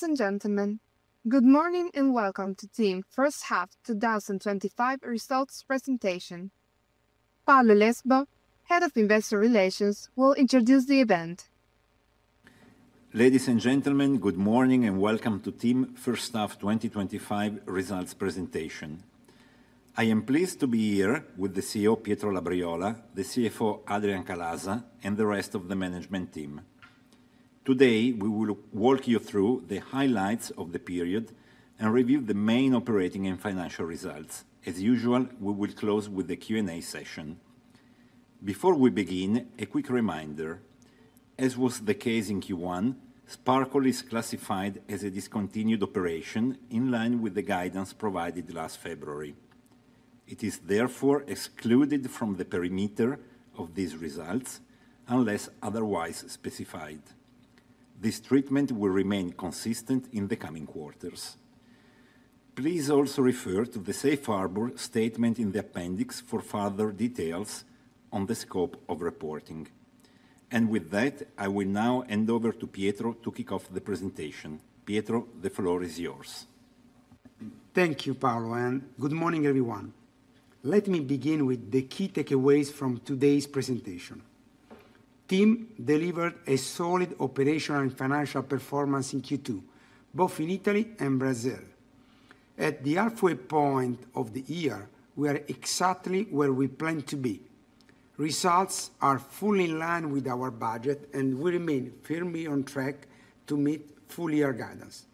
Ladies and gentlemen, good morning and welcome to TIM first half 2025 results presentation. Paolo Lesbo, Head of Investor Relations, will introduce the event. Ladies and gentlemen, good morning and welcome to TIM first half 2025 results presentation. I am pleased to be here with the CEO Pietro Labriola, the CFO Adrian Calaza, and the rest of the management team. Today we will walk you through the highlights of the period and review the main operating and financial results. As usual, we will close with the Q&A session. Before we begin, a quick reminder. As was the case in Q1, Sparkle is classified as a discontinued operation in line with the guidance provided last February. It is therefore excluded from the perimeter of these results unless otherwise specified. This treatment will remain consistent in the coming quarters. Please also refer to the Safe Harbor statement in the appendix for further details on the scope of reporting. With that, I will now hand over to Pietro to kick off the presentation. Pietro, the floor is yours. Thank you, Paolo, and good morning everyone. Let me begin with the key takeaways from today's presentation. TIM delivered a solid operational and financial performance in Q2, both in Italy and Brazil. At the halfway point of the year, we are exactly where we plan to be. Results are fully in line with our budget and we remain firmly on track to meet full year guidance.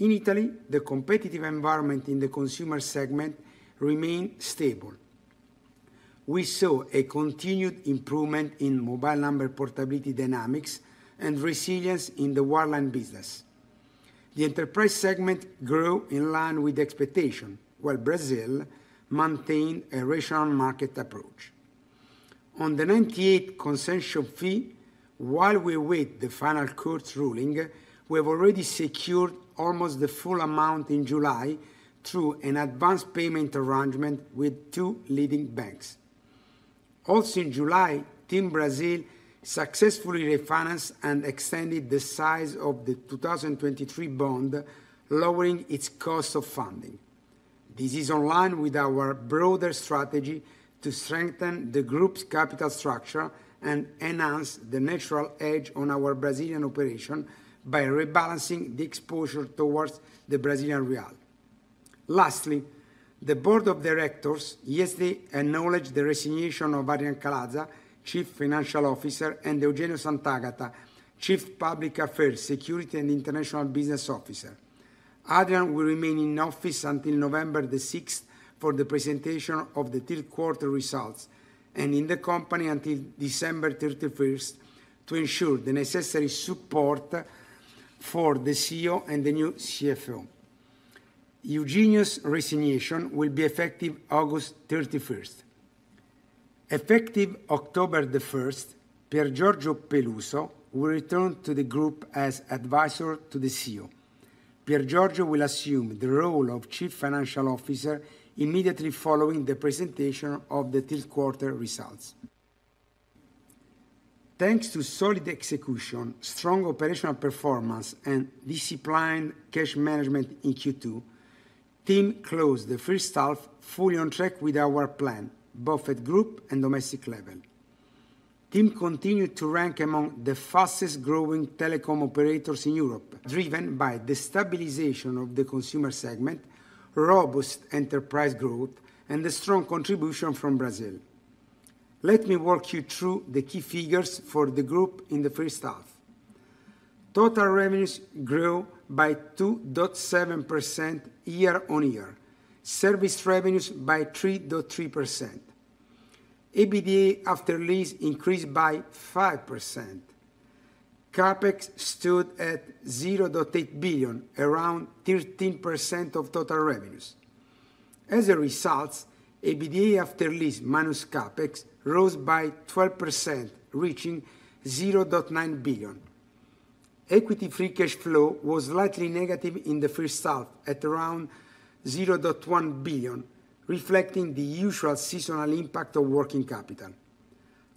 In Italy, the competitive environment in the consumer segment remained stable. We saw a continued improvement in mobile number portability dynamics and resilience in the wireline business. The enterprise segment grew in line with expectations while Brazil maintained a rational market approach on the 98 consensual fee. While we await the final court's ruling, we have already secured almost the full amount in July through an advanced payment arrangement with two leading banks. Also in July, TIM Brasil successfully refinanced and extended the size of the 2023 bond, lowering its cost of funding. This is in line with our broader strategy to strengthen the group's capital structure and enhance the natural edge on our Brazilian operations by rebalancing the exposure towards the Brazilian real. Lastly, the Board of Directors yesterday acknowledged the resignation of Adrian Calaza, Chief Financial Officer, and Eugenio Santagata, Chief Public Affairs, Security and International Business Officer. Adrian will remain in office until November 6th for the presentation of the third quarter results and in the company until December 31st to ensure the necessary support for the CEO and the new CFO. Eugenio's resignation will be effective August 31st. Effective October 1st, Pier Giorgio Peluso will return to the group as advisor to the CEO. Pier Giorgio will assume the role of Chief Financial Officer immediately following the presentation of the third quarter results. Thanks to solid execution, strong operational performance, and disciplined cash management in Q2, TIM closed the first half fully on track with our plan both at group and domestic level. TIM continued to rank among the fastest growing telecom operators in Europe, driven by the stabilization of the consumer segment, robust enterprise growth, and the strong contribution from Brazil. Let me walk you through the key figures for the group. In the first half, total revenues grew by 2.7%. Year-on-year, service revenues by 3.3%. EBITDA after lease increased by 5%. CapEx stood at €0.8 billion, around 13% of total revenues. As a result, EBITDA after lease minus CapEx rose by 12%, reaching €0.9 billion. Equity free cash flow was slightly negative in the first half at around €0.1 billion, reflecting the usual seasonal impact of working capital.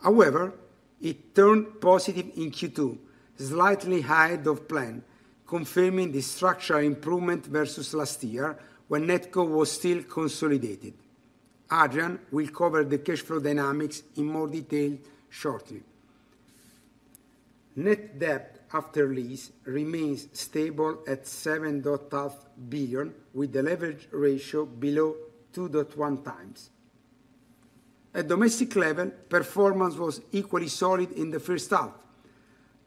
However, it turned positive in Q2, slightly ahead of plan, confirming the structural improvement versus last year when NetCo was still consolidated. Adrian will cover the cash flow dynamics in more detail shortly. Net debt after lease remains stable at €7.5 billion with the leverage ratio below 2.1x. At domestic level, performance was equally solid. In the first half,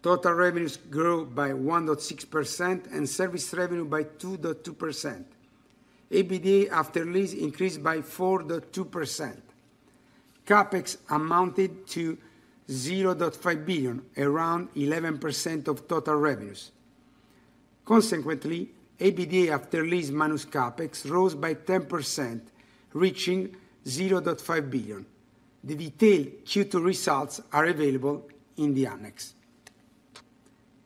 total revenues grew by 1.6% and service revenue by 2.2%. EBITDA after lease increased by 4.2%. CapEx amounted to €0.5 billion, around 11% of total revenues. Consequently, EBITDA after lease minus CapEx rose by 10%, reaching €0.5 billion. The detailed Q2 results are available in the Annex.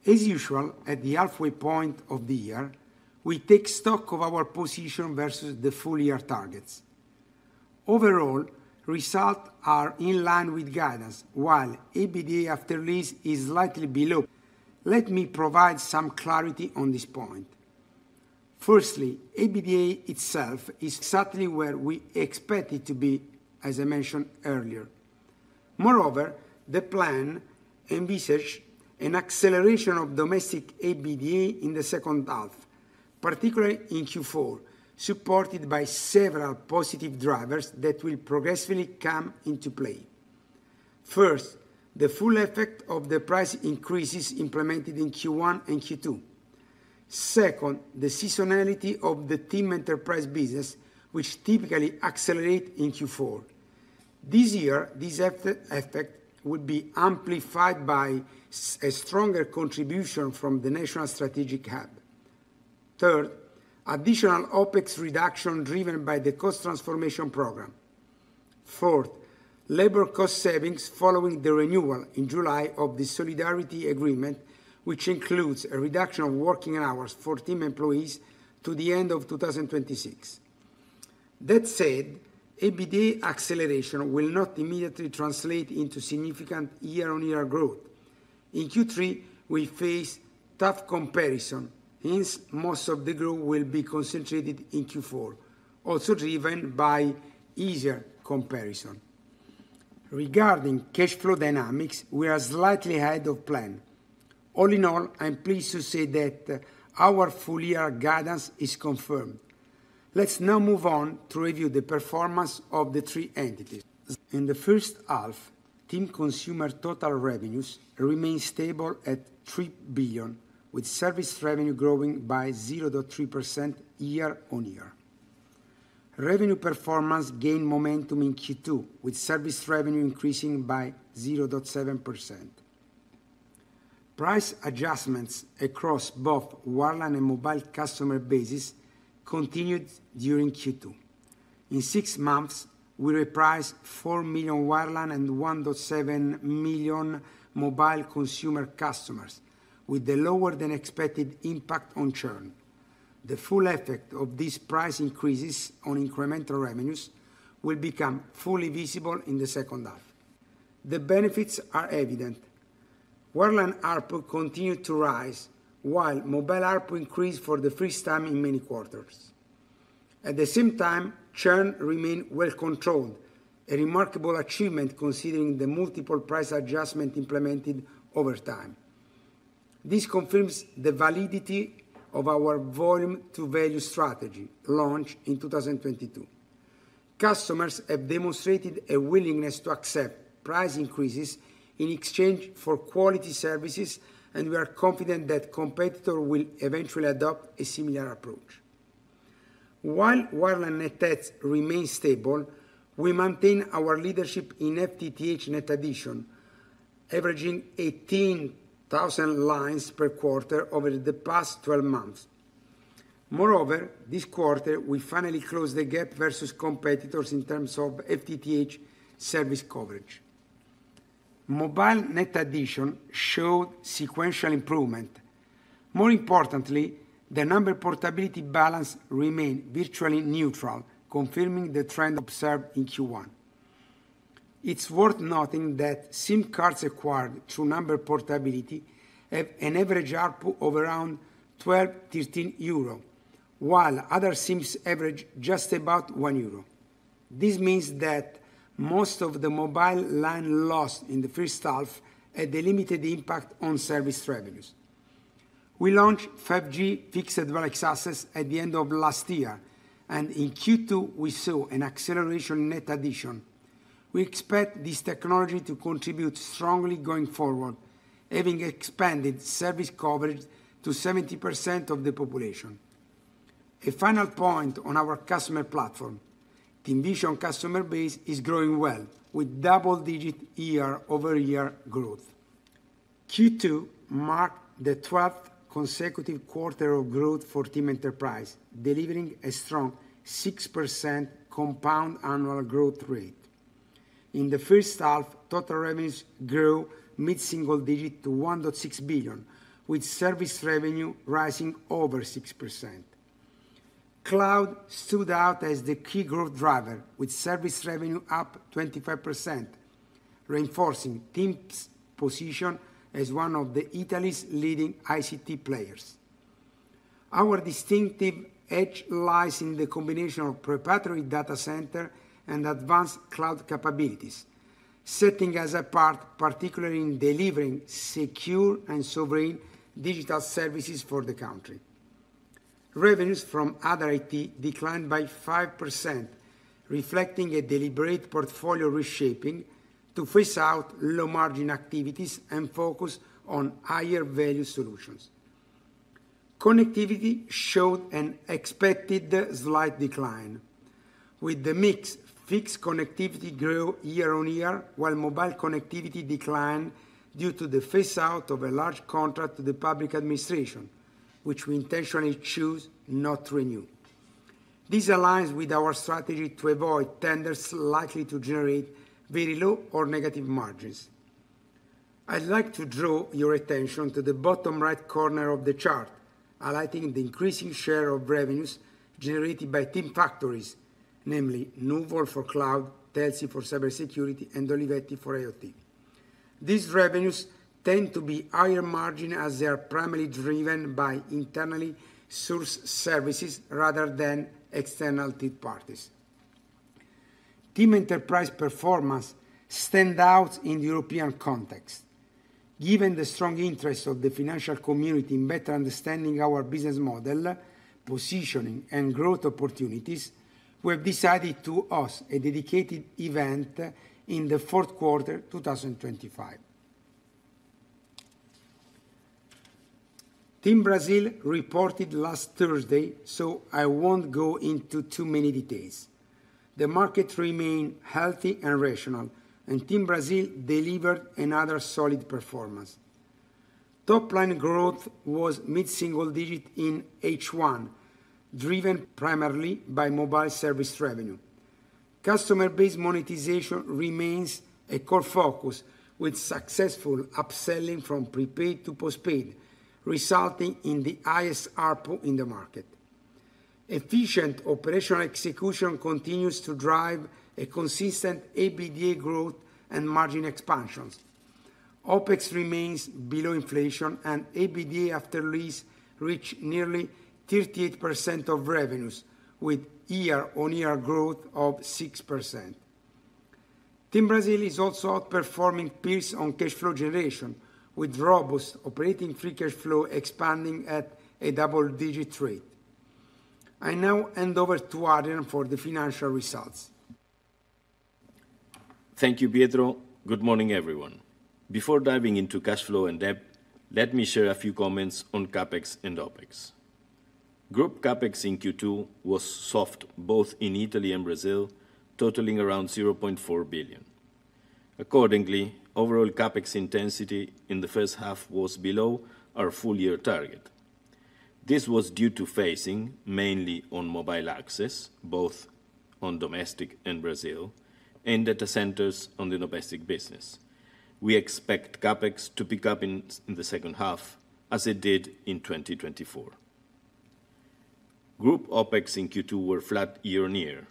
As usual, at the halfway point of the year, we take stock of our position versus the full year targets. Overall results are in line with guidance, while EBITDA after lease is slightly below. Let me provide some clarity on this point. Firstly, EBITDA itself is certainly where we expect it to be, as I mentioned earlier. Moreover, the plan envisages an acceleration of domestic EBITDA in the second half, particularly in Q4, supported by several positive drivers that will progressively come into play. First, the full effect of the price increases implemented in Q1 and Q2. Second, the seasonality of the TIM enterprise business, which typically accelerates in Q4 this year. This effect would be amplified by a stronger contribution from the National Strategic Hub. Third, additional OpEx reduction driven by the cost transformation program. Fourth, labor cost savings following the renewal in July of the Solidarity Agreement, which includes a reduction of working hours for TIM employees to the end of 2026. That said, EBITDA acceleration will not immediately translate into significant year on year growth in Q3. We face tough comparison. Hence, most of the growth will be concentrated in Q4, also driven by easier comparison. Regarding cash flow dynamics, we are slightly ahead of plan. All in all, I am pleased to say that our full year guidance is confirmed. Let's now move on to review the performance of the three entities in the first half. TIM Consumer total revenues remain stable at €3 billion with service revenue growing by 0.3% year-on-year. Revenue performance gained momentum in Q2 with service revenue increasing by 0.7%. Price adjustments across both wireline and mobile customer base continued during Q2. In six months, we repriced 4 million wireline and 1.7 million mobile consumer customers with a lower than expected impact on churn. The full effect of these price increases on incremental revenues will become fully visible in the second half. The benefits are evident. Wireline ARPU continued to rise while mobile ARPU increased for the first time in many quarters. At the same time, churn remained well controlled, a remarkable achievement considering the multiple price adjustments implemented over time. This confirms the validity of our volume to value strategy launched in 2022. Customers have demonstrated a willingness to accept price increases in exchange for quality services and we are confident that competitors will eventually adopt a similar approach. While wireline net adds remain stable, we maintain our leadership in FTTH net addition, averaging 18,000 lines per quarter over the past 12 months. Moreover, this quarter we finally closed the gap versus competitors in terms of FTTH service coverage. Mobile net addition showed sequential improvement. More importantly, the number portability balance remained virtually neutral, confirming the trend observed in Q1. It's worth noting that SIM cards acquired through number portability have an average ARPU of around €12.13, while other SIMs average just about €1. This means that most of the mobile line loss in the first half had a limited impact on service revenues. We launched 5G fixed wireless access at the end of last year and in Q2 we saw an acceleration in net addition. We expect this technology to contribute strongly going forward, having expanded service coverage to 70% of the population. A final point on our customer platform, TIMVision. Customer base is growing well with double-digit year-over-year growth. Q2 marked the 12th consecutive quarter of growth for TIM Enterprise, delivering a strong 6% compound annual growth rate. In the first half, total revenues grew mid-single digit to €1.6 billion with service revenue rising over 6%. Cloud stood out as the key growth driver with service revenue up 25%, reinforcing TIM's position as one of Italy's leading ICT players. Our distinctive edge lies in the combination of preparatory data center and advanced cloud capabilities, setting us apart particularly in delivering secure and sovereign digital services for the country. Revenues from other IT declined by 5%, reflecting a deliberate portfolio reshaping to phase out low-margin activities and focus on higher-value solutions. Connectivity showed an expected slight decline with the mix. Fixed connectivity grew year over year while mobile connectivity declined due to the phase-out of a large contract to the public administration, which we intentionally chose not to renew. This aligns with our strategy to avoid tenders likely to generate very low or negative margins. I'd like to draw your attention to the bottom right corner of the chart, highlighting the increasing share of revenues generated by TIM Factories, namely Nuvola for Cloud, Tetsy for Cybersecurity, and Olivetti for IoT. These revenues tend to be higher margin as they are primarily driven by internally sourced services rather than external third parties. TIM Enterprise performance stands out in the European context. Given the strong interest of the financial community in better understanding our business model, positioning, and growth opportunities, we have decided to host a dedicated event in the fourth quarter 2025. TIM Brasil reported last Thursday, so I won't go into too many details. The market remained healthy and rational, and TIM Brasil delivered another solid performance. Top-line growth was mid-single digit in H1, driven primarily by mobile service revenue. Customer base monetization remains a core focus with successful upselling from prepaid to postpaid, resulting in the highest ARPU in the market. Efficient operational execution continues to drive consistent EBITDA growth and margin expansions. OpEx remains below inflation, and EBITDA after lease reached nearly 38% of revenues with year-on-year growth of 6%. TIM Brasil is also outperforming peers on cash flow generation, with robust operating free cash flow expanding at a double-digit rate. I now hand over to Adrian for the financial results. Thank you, Pietro. Good morning, everyone. Before diving into cash flow and debt, let me share a few comments on CapEx and OpEx. Group CapEx in Q2 was soft both in Italy and Brazil, totaling around €0.4 billion. Accordingly, overall CapEx intensity in the first half was below our full-year target. This was due to phasing, mainly on mobile access both on domestic and Brazil, and data centers on the domestic business. We expect CapEx to pick up in the second half as it did in 2023. Group OpEx in Q2 were flat year on year.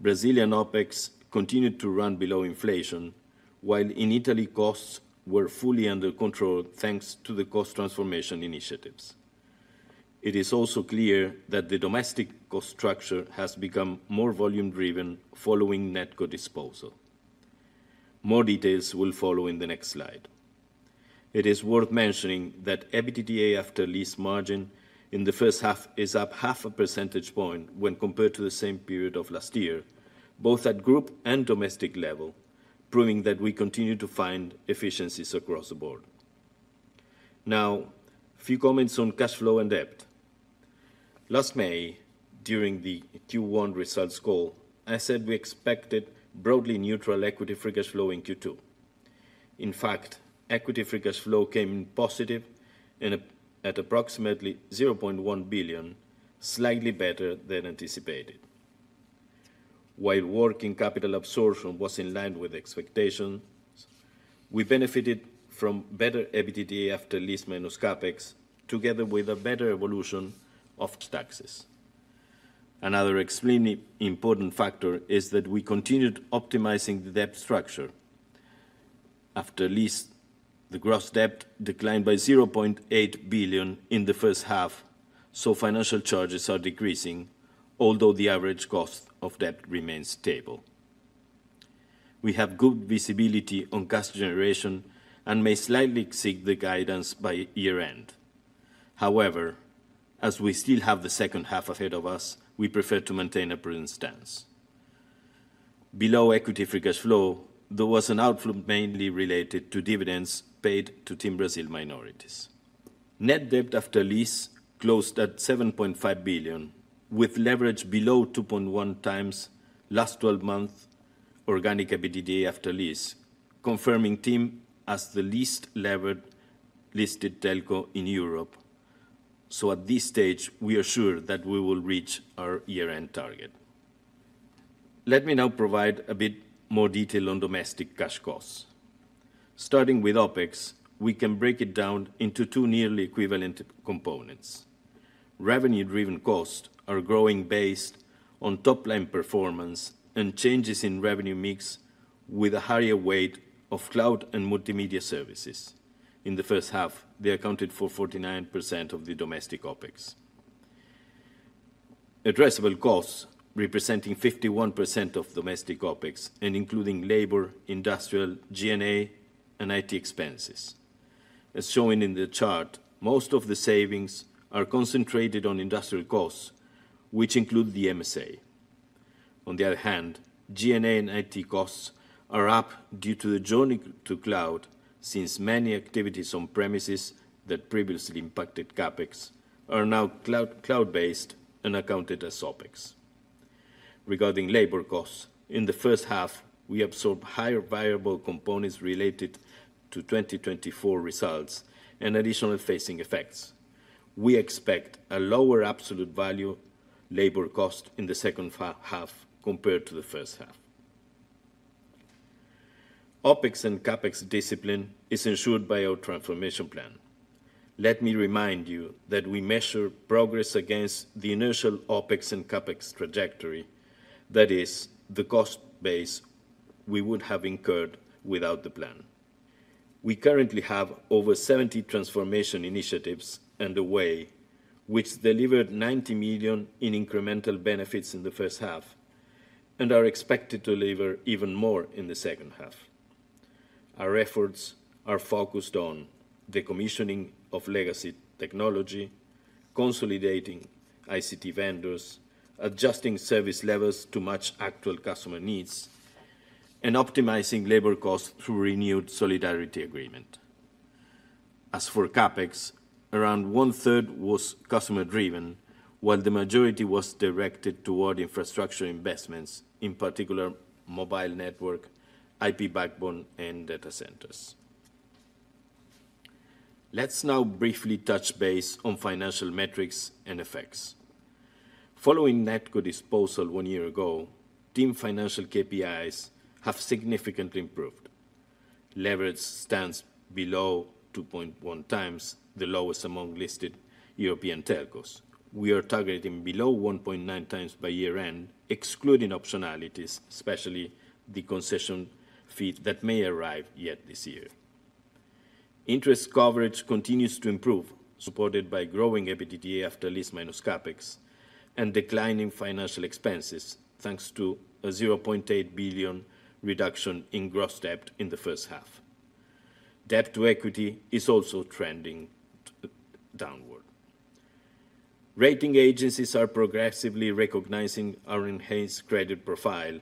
Brazilian OpEx continued to run below inflation, while in Italy costs were fully under control thanks to the cost transformation initiatives. It is also clear that the domestic cost structure has become more volume driven following NetCo disposal. More details will follow in the next slide. It is worth mentioning that EBITDA after lease margin in the first half is up half a percentage point when compared to the same period of last year, both at group and domestic level, proving that we continue to find efficiencies across the board. Now, a few comments on cash flow and debt. Last May, during the Q1 results call, I said we expected broadly neutral equity free cash flow in Q2. In fact, equity free cash flow came in positive at approximately €0.1 billion, slightly better than anticipated. While working capital absorption was in line with expectations, we benefited from better EBITDA after lease minus CapEx together with a better evolution of taxes. Another extremely important factor is that we continued optimizing the debt structure after lease. The gross debt declined by €0.8 billion in the first half, so financial charges are decreasing. Although the average cost of debt remains stable, we have good visibility on cash generation and may slightly exceed the guidance by year end. However, as we still have the second half ahead of us, we prefer to maintain a prudent stance. Below equity free cash flow, there was an outflow mainly related to dividends paid to TIM Brasil minorities. Net debt after lease closed at €7.5 billion with leverage below 2.1x last 12 months organic EBITDA after lease, confirming TIM as the least levered listed telco in Europe. At this stage, we are sure that we will reach our year-end target. Let me now provide a bit more detail on domestic cash costs. Starting with OpEx, we can break it down into two nearly equivalent components. Revenue driven costs are growing based on top line performance and changes in revenue mix with a higher weight of cloud and multimedia services. In the first half, they accounted for 49% of the domestic OpEx. Addressable costs representing 51% of domestic OpEx and including labor, industrial, G&A, and IT expenses. As shown in the chart, most of the savings are concentrated on industrial costs, which include the MSA. On the other hand, G&A and IT costs are up due to the journey to cloud, since many activities on premises that previously impacted CapEx are now cloud based and accounted as OpEx. Regarding labor costs in the first half, we absorb higher variable components related to 2024 results and additional phasing effects. We expect a lower absolute value labor cost in the second half compared to the first half. OpEx and CapEx discipline is ensured by our transformation plan. Let me remind you that we measure progress against the inertial OpEx and CapEx trajectory, that is the cost base we would have incurred without the plan. We currently have over 70 transformation initiatives underway, which delivered €90 million in incremental benefits in the first half and are expected to deliver even more in the second half. Our efforts are focused on decommissioning of legacy technology, consolidating ICT vendors, adjusting service levels to match actual customer needs, and optimizing labor costs through renewed Solidarity agreement. As for CapEx, around 1/3 was customer driven while the majority was directed toward infrastructure investments, in particular mobile network, IP backbone, and data centers. Let's now briefly touch base on financial metrics and FX. Following NetCo disposal one year ago, TIM financial KPIs have significantly improved. Leverage stands below 2.1x, the lowest among listed European telcos. We are targeting below 1.9x by year end, excluding optionalities, especially the concession fee that may arrive yet this year. Interest coverage continues to improve, supported by growing EBITDA after lease minus CapEx and declining financial expenses thanks to a €0.8 billion reduction in gross debt in the first half. Debt to equity is also trending downward. Rating agencies are progressively recognizing our enhanced credit profile,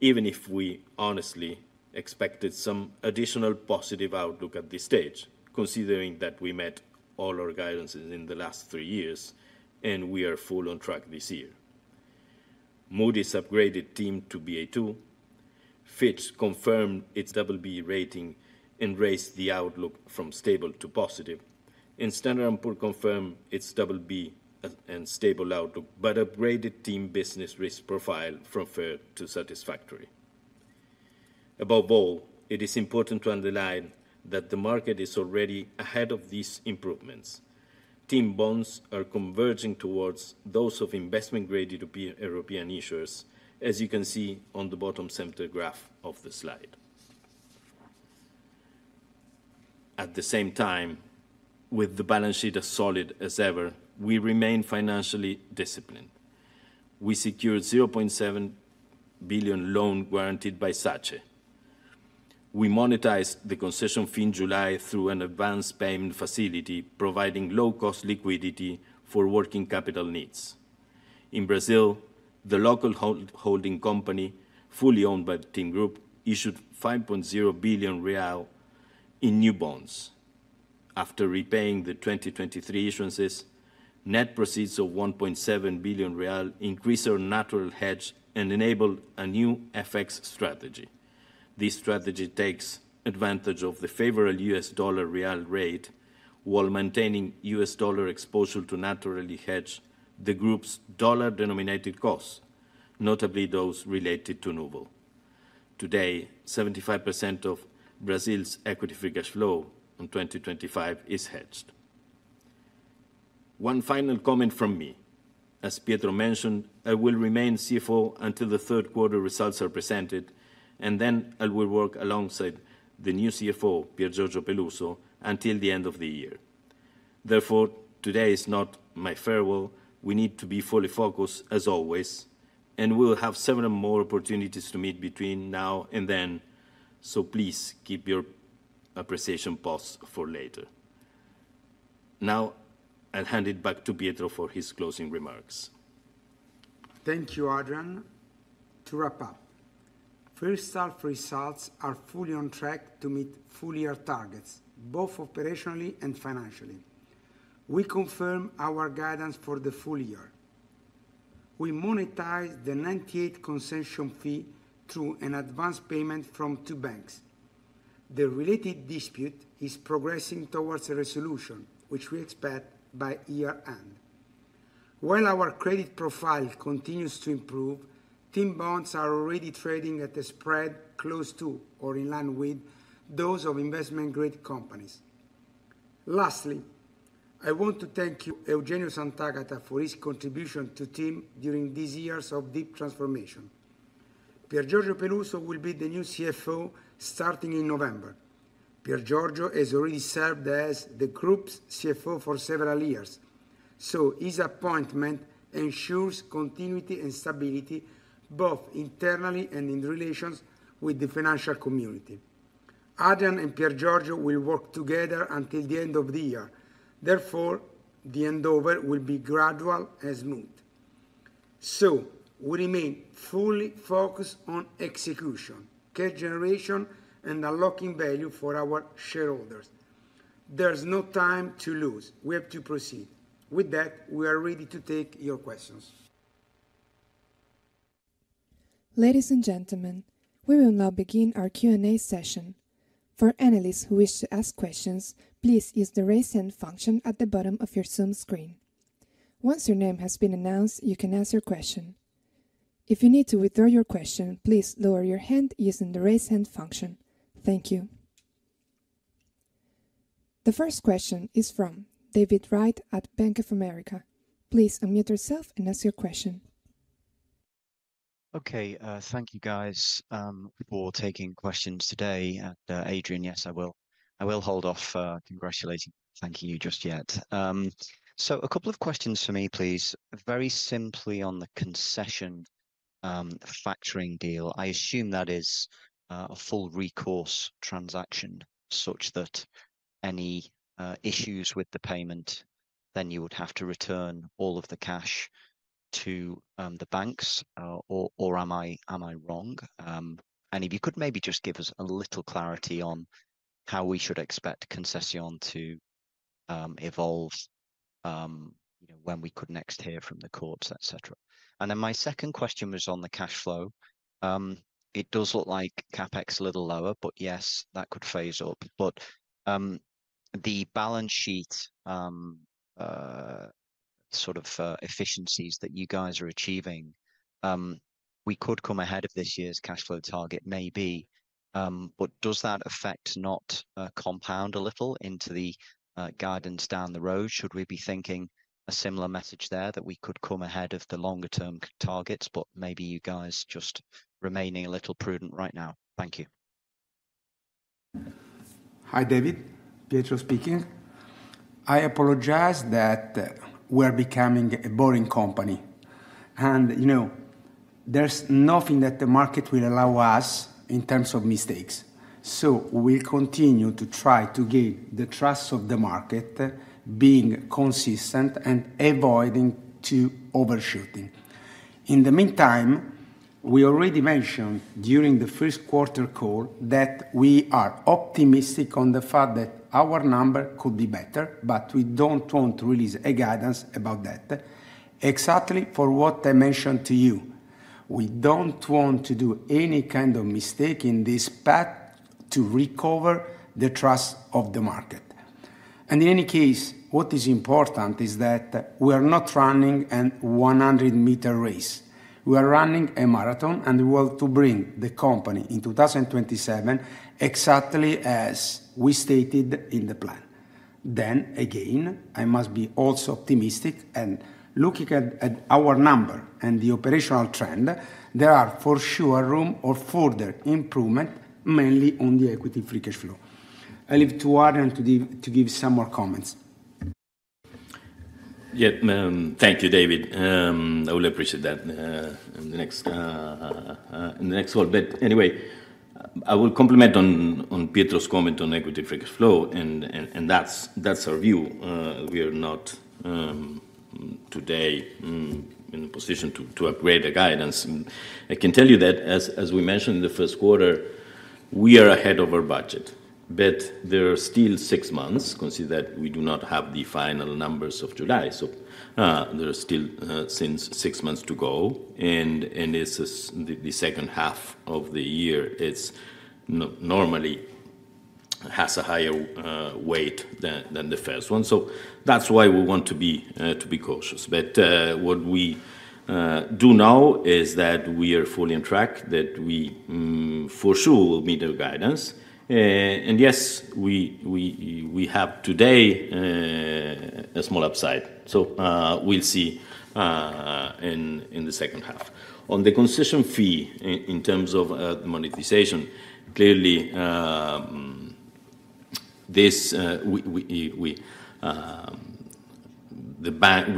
even if we honestly expected some additional positive outlook at this stage considering that we met all our guidances in the last three years and we are full on track this year. Moody's upgraded TIM to Ba2, Fitch confirmed its BB rating and raised the outlook from stable to positive, and Standard & Poor's confirmed its BB and stable outlook but upgraded TIM's business risk profile from fair to satisfactory. Above all, it is important to underline that the market is already ahead of these improvements. TIM bonds are converging towards those of investment grade European issuers, as you can see on the bottom center graph of the slide. At the same time, with the balance sheet as solid as ever, we remain financially disciplined. We secured a €0.7 billion loan guaranteed by SACE. We monetized the concession fee in July through an advance payment facility, providing low-cost liquidity for working capital needs. In Brazil, the local holding company fully owned by the TIM Group issued 5.0 billion real in new bonds after repaying the 2023 issuances. Net proceeds of 1.7 billion real increased our natural hedge and enable a new FX strategy. This strategy takes advantage of the favorable U.S. dollar-real rate while maintaining U.S. dollar exposure to naturally hedge the group's dollar-denominated costs, notably those related to Nuven. Today, 75% of Brazil's equity free cash flow on 2025 is hedged. One final comment from me, as Pietro mentioned, I will remain CFO until the third quarter results are presented and then I will work alongside the new CFO, Pier Giorgio Peluso, until the end of the year. Therefore, today is not my farewell. We need to be fully focused as always and we will have several more opportunities to meet between now and then. Please keep your appreciation posts for later. Now I'll hand it back to Pietro for his closing remarks. Thank you, Adrian. To wrap up, first half results are fully on track to meet full year targets both operationally and financially. We confirm our guidance for the full year. We monetized the 1998 concession fee through an advance payment from two banks. The related dispute is progressing towards a resolution, which we expect by year end, while our credit profile continues to improve. TIM bonds are already trading at a spread close to or in line with those of investment grade companies. Lastly, I want to thank Eugenio Santagata for his contribution to TIM during these years of deep transformation. Pier Giorgio Peluso will be the new CFO starting in November. Pier Giorgio has already served as the group's CFO for several years, so his appointment ensures continuity and stability both internally and in relations with the financial community. Adrian and Pier Giorgio will work together until the end of the year. Therefore, the endeavor will be gradual and smooth. We remain fully focused on execution, cash generation, and unlocking value for our shareholders. There's no time to lose. We have to proceed with that. We are ready to take your questions. Ladies and gentlemen, we will now begin our Q&A session. For analysts who wish to ask questions, please use the raise hand function at the bottom of your Zoom screen. Once your name has been announced, you can ask your question. If you need to withdraw your question, please lower your hand using the raise hand function. Thank you. The first question is from David Wright at Bank of America. Please unmute yourself and ask your question. Okay, thank you guys for taking questions today. Adrian. Yes, I will. I will hold off congratulating, thanking you just yet. A couple of questions for me please. Very simply, on the concession factoring deal, I assume that is a full recourse transaction such that any issues with the payment, then you would have to return all of the cash to the banks, or am I wrong? If you could maybe just give us a little clarity on how we should expect concession to evolve, when we could next hear from the courts, etc. My second question was on the cash flow. It does look like CapEx a little lower, but yes, that could phase up. The balance sheet sort of efficiencies that you guys are achieving, we could come ahead of this year's cash flow target. Maybe, does that effect not compound a little into the guidance down the road? Should we be thinking a similar message there, that we could come ahead of the longer term targets? Maybe you guys just remaining a little prudent right now. Thank you. Hi, David, Pietro speaking. I apologize that we're becoming a boring company, and you know, there's nothing that the market will allow us in terms of mistakes. We continue to try to gain the trust of the market, being consistent and avoiding to overshooting in the meantime. We already mentioned during the first quarter call that we are optimistic on the fact that our number could be better. We don't want to release a guidance about that. Exactly for what I mentioned to you, we don't want to do any kind of mistake in this path to recover the trust of the market. In any case, what is important is that we are not running a 100 m race, we are running a marathon, and we want to bring the company in 2027 exactly as we stated in the plan. I must be also optimistic, and looking at our number and the operational trend, there are for sure room of further improvement, mainly on the equity free cash flow. I leave to Adrian to give some more comments. Thank you, David, I will appreciate that in the next whole bit. Anyway, I will compliment on Pietro's comment on equity free cash flow. That's our view. We are not today in a position to upgrade the guidance. I can tell you that as we mentioned in the first quarter, we are ahead of our budget, but there are still six months. Consider that we do not have the final numbers of July. There are still six months to go, and the second half of the year normally has a higher weight than the first one. That's why we want to be cautious. What we do know is that we are fully on track, that we for sure will meet their guidance. Yes, we have today a small upside. We'll see in the second half on the concession fee in terms of monetization. Clearly, we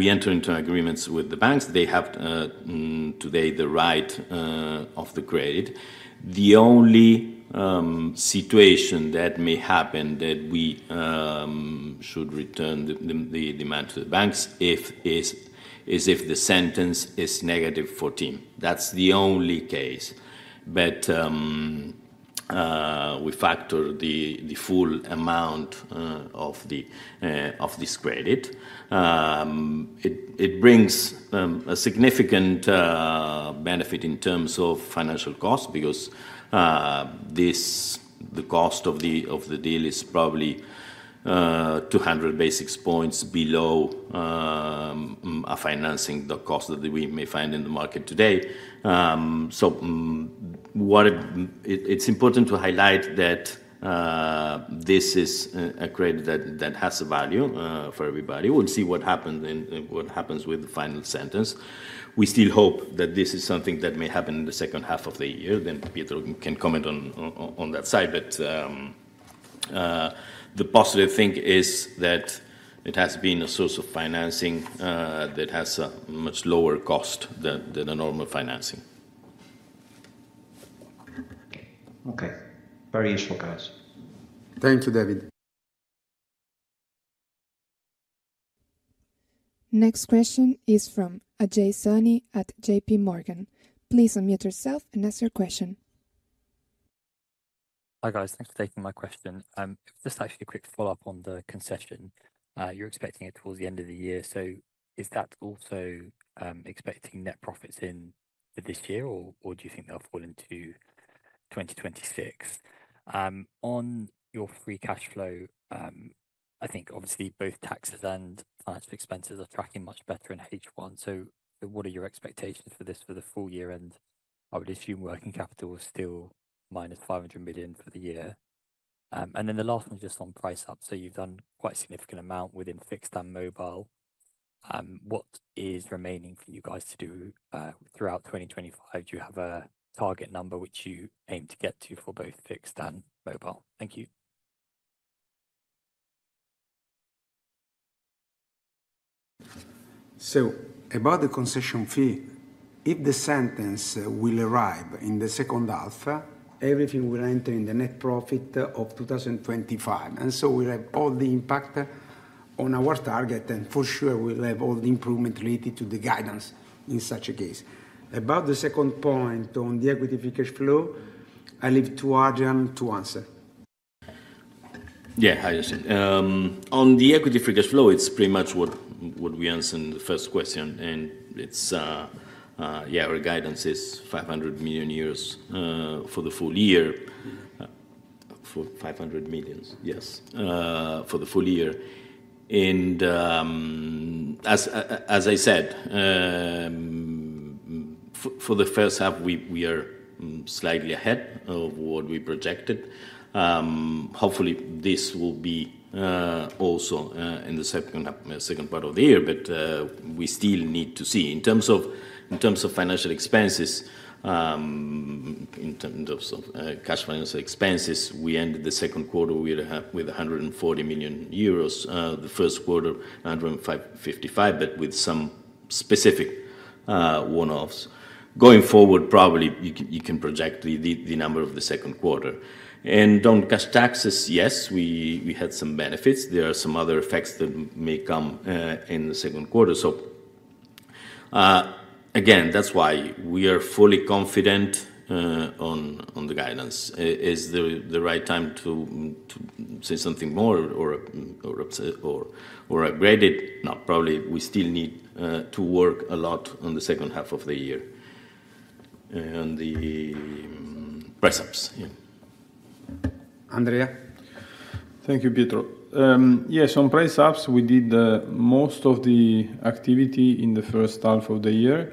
enter into agreements with the banks. They have today the right of the credit. The only situation that may happen that we should return the demand to the banks is if the sentence is -14, that's the only case. We factor the full amount of this credit. It brings a significant benefit in terms of financial costs because the cost of the deal is probably 200 basis points below financing the cost that we may find in the market today. It's important to highlight that this is a credit that has a value for everybody. We'll see what happens with the final sentence. We still hope that this is something that may happen in the second half of the year. Peter can comment on that side. The positive thing is that it has been a source of financing that has a much lower cost than a normal financing. Okay, very useful guys. Thank you. David. Next question is from Ajay Soni at JPMorgan. Please unmute yourself and ask your question. Hi guys, thanks for taking my question. Just actually a quick follow-up on the concession. You're expecting it towards the end of the year. Is that also expecting net profits in this year, or do you think they'll fall into 2026 on your free cash flow? I think obviously both taxes and financial expenses are tracking much better in H1. What are your expectations for this for the full year? I would assume working capital is still -€500 million for the year. The last one is just on price up. You've done quite a significant amount within fixed and mobile. What is remaining for you guys to do throughout 2025? Do you have a target number which you aim to get to for both fixed and mobile? Thank you. Regarding the concession fee, if the sentence will arrive in the second half, everything will enter in the net profit of 2025. We have all the impact on our target, and for sure we'll have all the improvement related to the guidance in such a case. About the second point on the equity free cash flow, I leave to Eugenio to answer. Yeah, hi. On the equity free cash flow, it's pretty much what we answered in the first question. Our guidance is €500 million for the full year. For €500 million, yes, for the full year. As I said, for the first half we are slightly ahead of what we projected. Hopefully, this will be also in the second part of the year. We still need to see in terms of financial expenses. In terms of cash financial expenses, we ended the second quarter with €140 million. The first quarter €105 million, €55 million, but with some specific one-offs going forward. Probably you can project the number of the second quarter. On cash taxes, yes, we had some benefits. There are some other effects that may come in the second quarter. That's why we are fully confident on the guidance. Is it the right time to say something more or upgrade it now? Probably we still need to work a lot on the second half of the year at the price ups. Andrea. Thank you, Pietro. Yes, on price ups we did most of the activity in the first half of the year.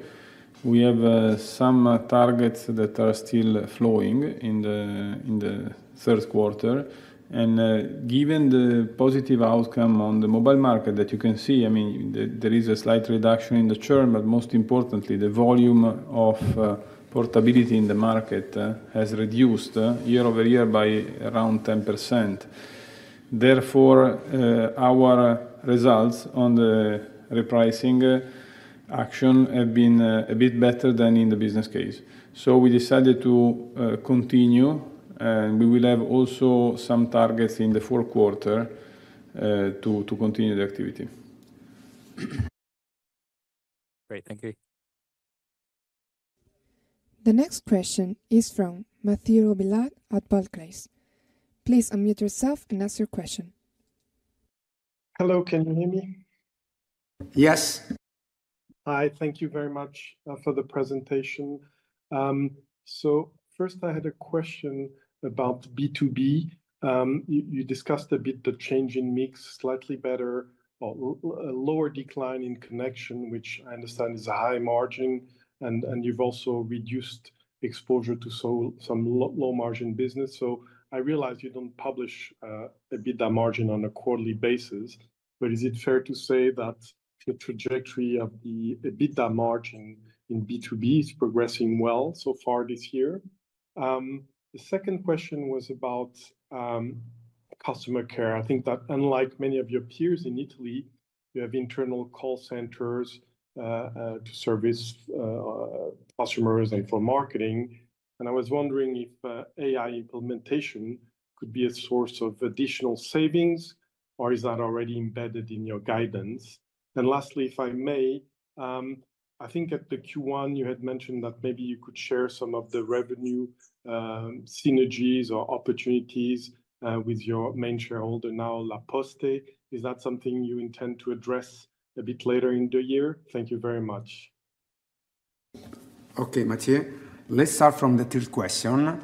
We have some targets that are still flowing in the third quarter, and given the positive outcome on the mobile market that you can see, I. mean there is a slight reduction in The churn, but most importantly, the volume of portability in the market has reduced year over year by around 10%. Therefore, our results on the repricing action have been a bit better than in the business case. We decided to continue, and we will have also some targets in the fourth quarter to continue the activity. Great, thank you. The next question is from Mathieu Robilliard at Barclays. Please unmute yourself and ask your question. Hello, can you hear me? Yes. Hi, thank you very much for the presentation. First, I had a question about B2B. You discussed a bit the change in mix, slightly better, a lower decline in connection, which I understand is a high margin. You've also reduced exposure to some low margin business. I realize you don't publish EBITDA margin on a quarterly basis, but is it fair to say that the trajectory of the EBITDA margin in B2B is progressing well so far this year? The second question was about customer care. I think that unlike many of your peers in Italy, you have internal call centers to service customers and for marketing. I was wondering if AI implementation could be a source of additional savings or is that already embedded in your guidance? Lastly, if I may, I think at the Q1 you had mentioned that maybe you could share some of the revenue synergies or opportunities with your main shareholder now, Poste, is that something you intend to address a bit later in the year? Thank you very much Okay, Mathieu, let's start from the third question.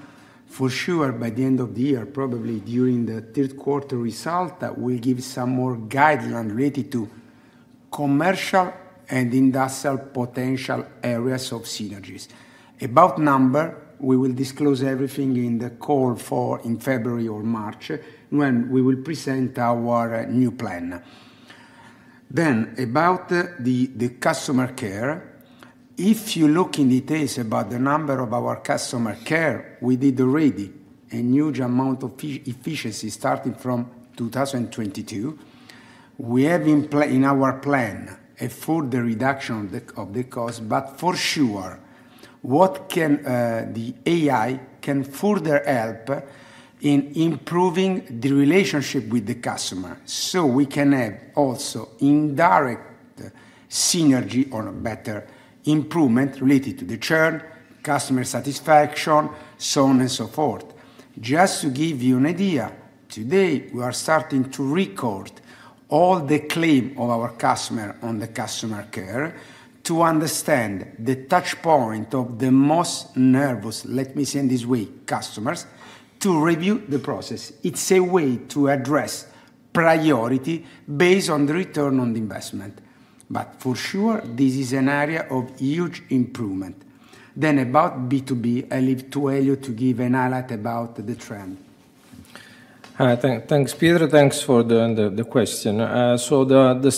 For sure by the end of the year, probably during the third quarter result, we will give some more guidelines related to commercial and industrial potential areas of synergies. About numbers, we will disclose everything in the call in February or March when we will present our new plan. About the customer care, if you look in detail at the number of our customer care, we did already a huge amount of efficiency starting from 2022. We have in our plan for the reduction of the cost. For sure, what the AI can further help in is improving the relationship with the customer. We can have also indirect synergy on a better improvement related to the churn, customer satisfaction, and so on and so forth. Just to give you an idea, today we are starting to record all the claims of our customers on the customer care to understand the touch point of the most nervous, let me say this way, customers to review the process. It's a way to address priority based on the return on the investment. For sure, this is an area of huge improvement. About B2B, I leave to Elio to give a highlight about the trend. All right, thanks Pietro. Thanks for the question. The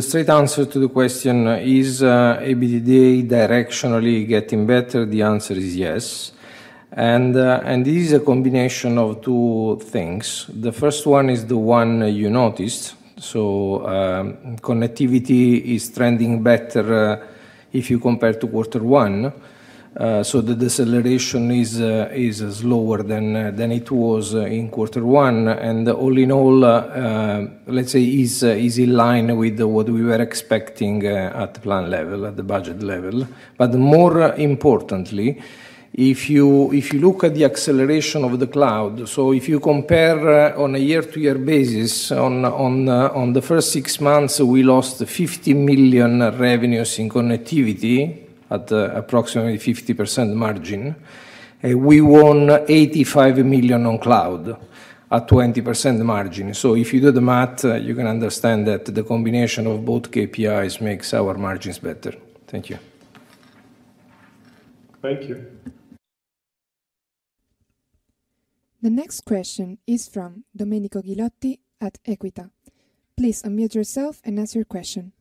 straight answer to the question is EBITDA directionally getting better, the answer is yes. This is a combination of two things. The first one is the one you noticed. Connectivity is trending better if you compared to quarter one, the deceleration is lower than it was in quarter one. All in all, let's say it is in line with what we were expecting at the plan level, at the budget level. More importantly, if you look at the acceleration of the cloud, if you compare on a year-to-year basis, in the first six months, we lost €50 million revenues in connectivity at approximately 50% margin. We won €85 million on cloud at 20% margin. If you do the math, you can understand that the combination of both KPIs makes our margins better. Thank you. Thank you. The next question is from Domenico Ghilotti at Equita. Please unmute yourself and ask your question.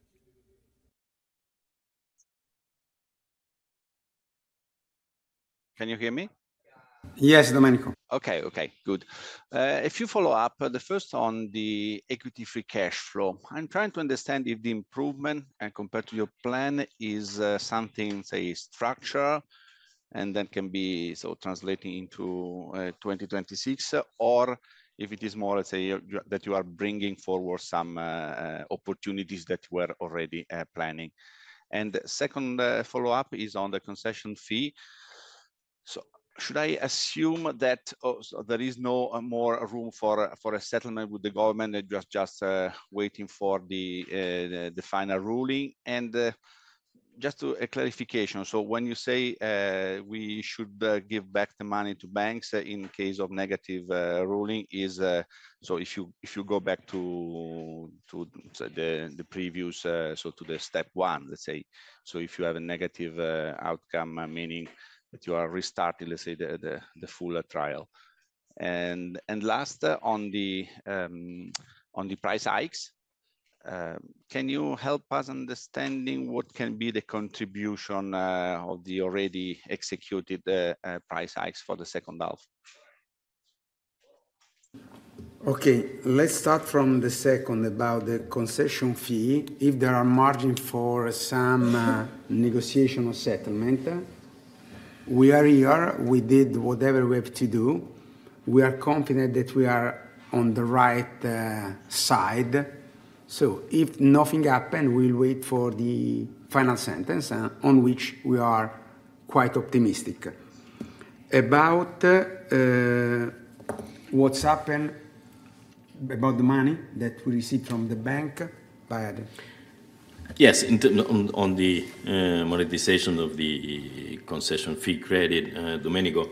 Can you hear me? Yes, Domenico. Okay, good. A few follow up. The first on the equity free cash flow, I'm trying to understand if the improvement compared to your plan is something, say, structure and then can be translating into 2026 or if it is more. Let's say that you are bringing forward some opportunities that were already planned, and the second follow-up is on the concession fee. Should I assume that there is no more room for a settlement with the government that you are just waiting for the final ruling? Just a clarification, so when you say we should give back the money to banks in case of negative ruling, if you go back to the previous, to the step one, let's say, if you have a negative outcome, meaning that you are restarting the full trial and last on the price hikes, can you help us understand what can be the contribution of the already executed price hikes for the second half? Okay, let's start from the second about the concession fee. If there are margin for some negotiation or settlement, we are here, we did whatever we have to do. We are confident that we are on the right side. If nothing happened, we'll wait for the final sentence, on which we are quite optimistic about what's happened about the money that we received from the bank? Adrian? Yes. On the monetization of the concession fee credit. Domenico,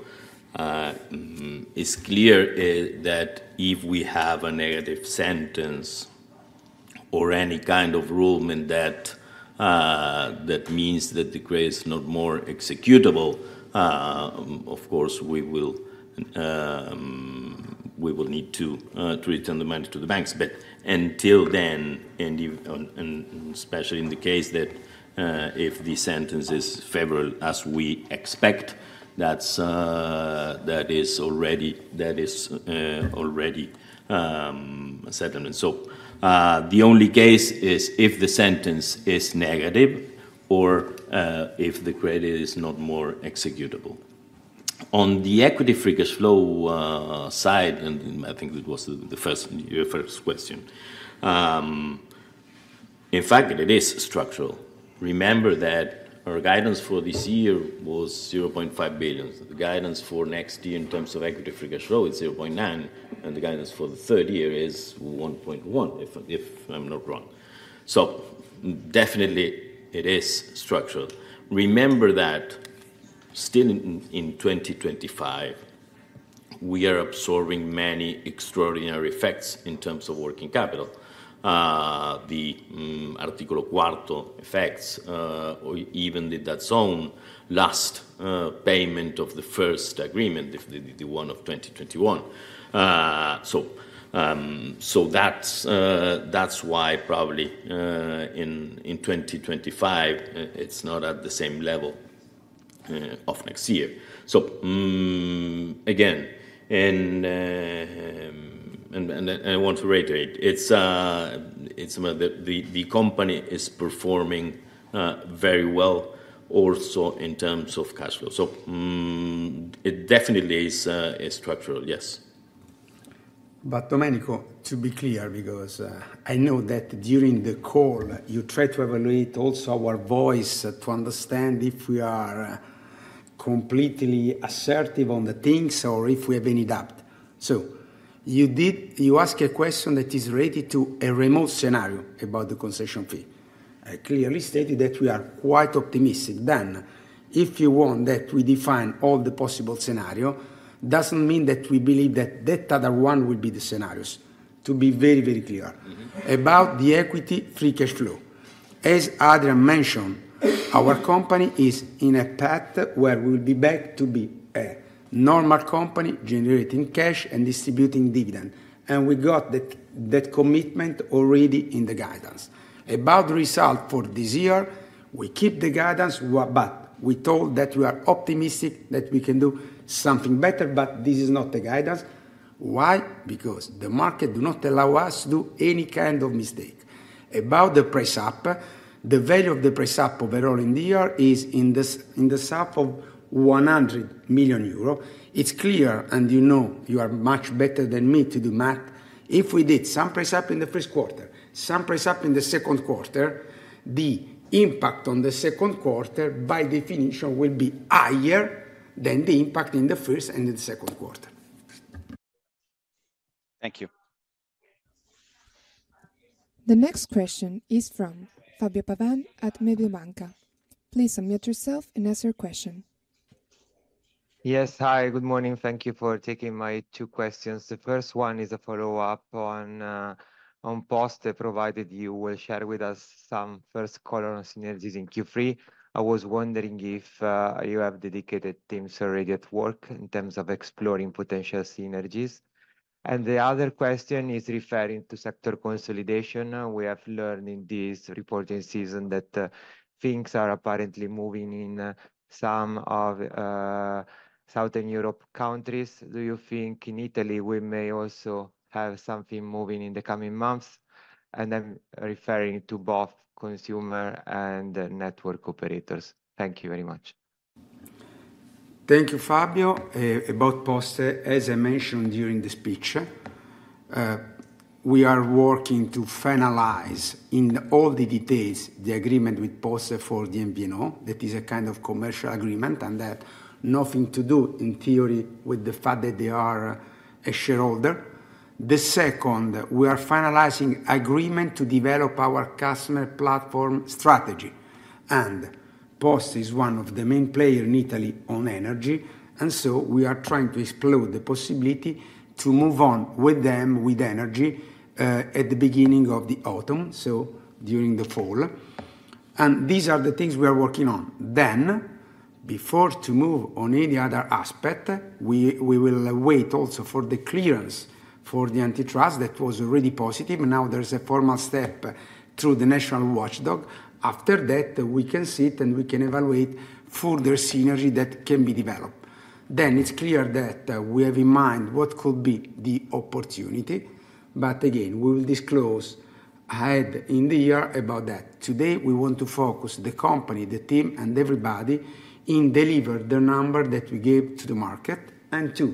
it's clear that if we have a negative sentence or any kind of ruling, that means that the credit is not more executable. Of course, we will need to return the money to the banks. Until then, especially in the case that if the sentence is favorable, as we expect, that is already settlement. The only case is if the sentence is negative or if the credit is not more executable. On the equity free cash flow side, and I think it was your first question, in fact, it is structural. Remember that our guidance for this year was €0.5 billion. The guidance for next year in terms of equity free cash flow is €0.9 billion and the guidance for the third year is €1.1 billion. If I'm not wrong, it definitely is structural. Remember that still in 2025 we are absorbing many extraordinary effects in terms of working capital. The articolo quarto effects, even the last payment of the first agreement, the one of 2021. That's why probably in 2025 it's not at the same level of next year. Again, I want to reiterate, the company is performing very well also in terms of cash flow. It definitely is structural. Yes, but Domenico, to be clear, because I know that during the call you try to evaluate also our voice to understand if we are completely assertive on the things or if we have any doubt. You asked a question that is related to a remote scenario about the concession fee. I clearly stated that we are quite optimistic. If you want that we define all the possible scenario, it doesn't mean that we believe that that other one will be the scenario. To be very, very clear about the equity free cash flow, as Adrian mentioned, our company is in a path where we'll be back to be a normal company generating cash and distributing dividend. We got that commitment already in the guidance about the result for this year. We keep the guidance, but we told that we are optimistic that we can do something better. This is not the guidance. Why? Because the market does not allow us to do any kind of mistake about the price up. The value of the price up overall in the year is in the shape of €100 million. It's clear. You know, you are much better than me to do math. If we did some price up in the first quarter, some price up in the second quarter, the impact on the second quarter by definition will be higher than the impact in the first and the second quarter. Thank you. The next question is from Fabio Pavan at Mediobanca. Please unmute yourself and ask your question. Yes. Hi, good morning. Thank you for taking my two questions. The first one is a follow-up on Poste. Provided you will share with us some first column synergies in Q4, I was wondering if you have dedicated teams already at work in terms of exploring potential synergies. The other question is referring to sector consolidation. We have learned in this reporting season that things are apparently moving in some Southern Europe countries. Do you think in Italy we may also have something moving in the coming months? I'm referring to both consumer and network operators. Thank you very much. Thank you. Fabio. About Poste, as I mentioned during the speech, we are working to finalize in all the details the agreement with Poste for the MVNO that is a kind of commercial agreement and that has nothing to do in theory with the fact that they are a shareholder. Second, we are finalizing agreement to develop our customer platform strategy. Poste is one of the main players in Italy on energy, and we are trying to explore the possibility to move on with them with energy at the beginning of the autumn, so during the fall. These are the things we are working on before moving on any other aspect. We will wait also for the clearance for the antitrust that was already positive. Now there's a formal step through the national watchdog. After that, we can sit and we can evaluate further synergy that can be developed. It's clear that we have in mind what could be the opportunity. Again, we will disclose ahead in the year about that. Today we want to focus the company, the team, and everybody in delivering the number that we gave to the market, and to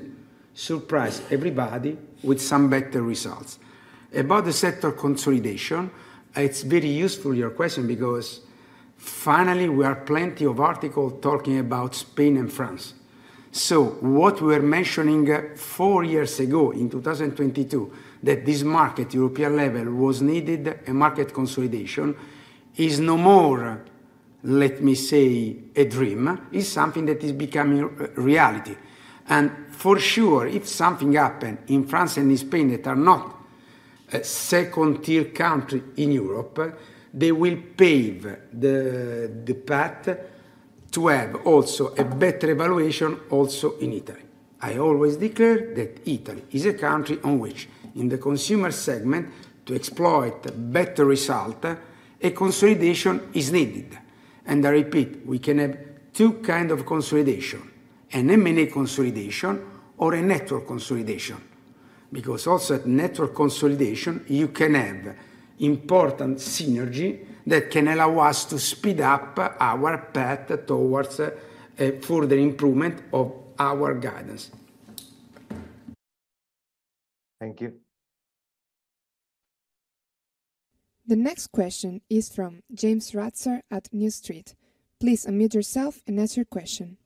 surprise everybody with some better results about the sector consolidation. It's very useful, your question, because finally we are plenty of articles talking about Spain and France. What we were mentioning four years ago in 2020, that this market at European level was needed, a market consolidation, is no more, let me say, a dream. It's something that is becoming reality. For sure, if something happened in France and in Spain, they are not a second-tier country in Europe. They will pave the path to have also a better evaluation also in Italy. I always declare that Italy is a country on which in the consumer segment to exploit better results, a consolidation is needed. I repeat, we can have two kinds of consolidation, an M&A consolidation or a network consolidation. Because also at network consolidation you can have important synergy that can allow us to speed up our path towards further improvement of our guidance. Thank you. The next question is from James Ratzer at New Street. Please unmute yourself and ask your question.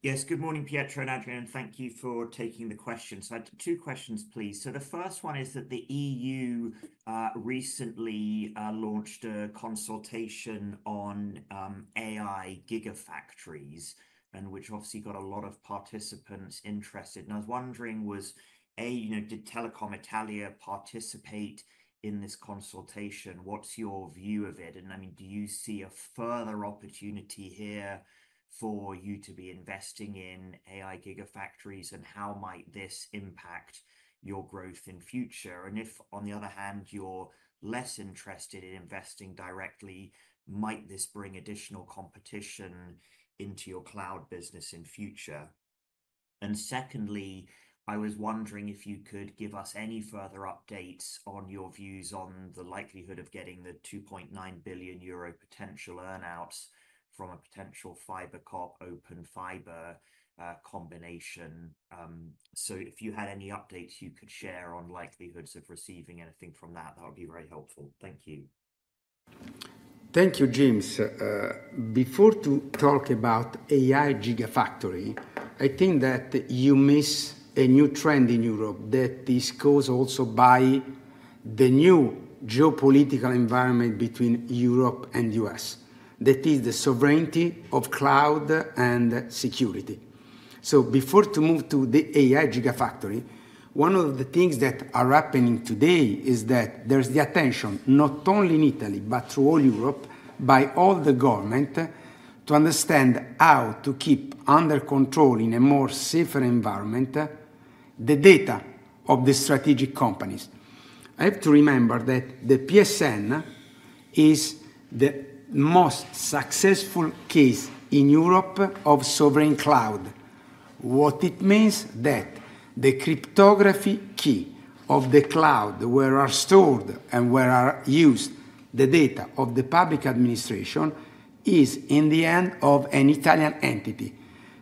Yes, good morning, Pietro and Adrian, thank you for taking the question. I had two questions, please. The first one is that the E.U. recently launched a consultation on AI gigafactories, which obviously got a lot of participants interested. I was wondering, did Telecom Italia participate in this consultation? What's your view of it? Do you see a further opportunity here for you to be investing in AI gigafactories, and how might this impact your growth in future? If on the other hand you're less interested in investing directly, might this bring additional competition into your cloud business in future? Secondly, I was wondering if you. Could you give us any further updates on your views on the likelihood of getting the €2.9 billion potential earnouts from a potential FiberCorp, Open Fiber combination? If you had any updates you could share on likelihoods of receiving anything from that, that would be very helpful. Thank you. Thank you, James. Before talking about AI gigafactory, I think that you miss a new trend in Europe that is caused also by the new geopolitical environment between Europe and U.S., that is the sovereignty of cloud and security. Before moving to the AI gigafactory, one of the things that are happening today is that there's attention not only in Italy, but throughout all Europe by all the government to understand how to keep under control in a safer environment the data of the strategic companies. I have to remember that the PSN is the most successful case in Europe of sovereign cloud. What it means is that the cryptography key of the cloud, where are stored and where are used the data of the public administration, is in the hand of an Italian entity,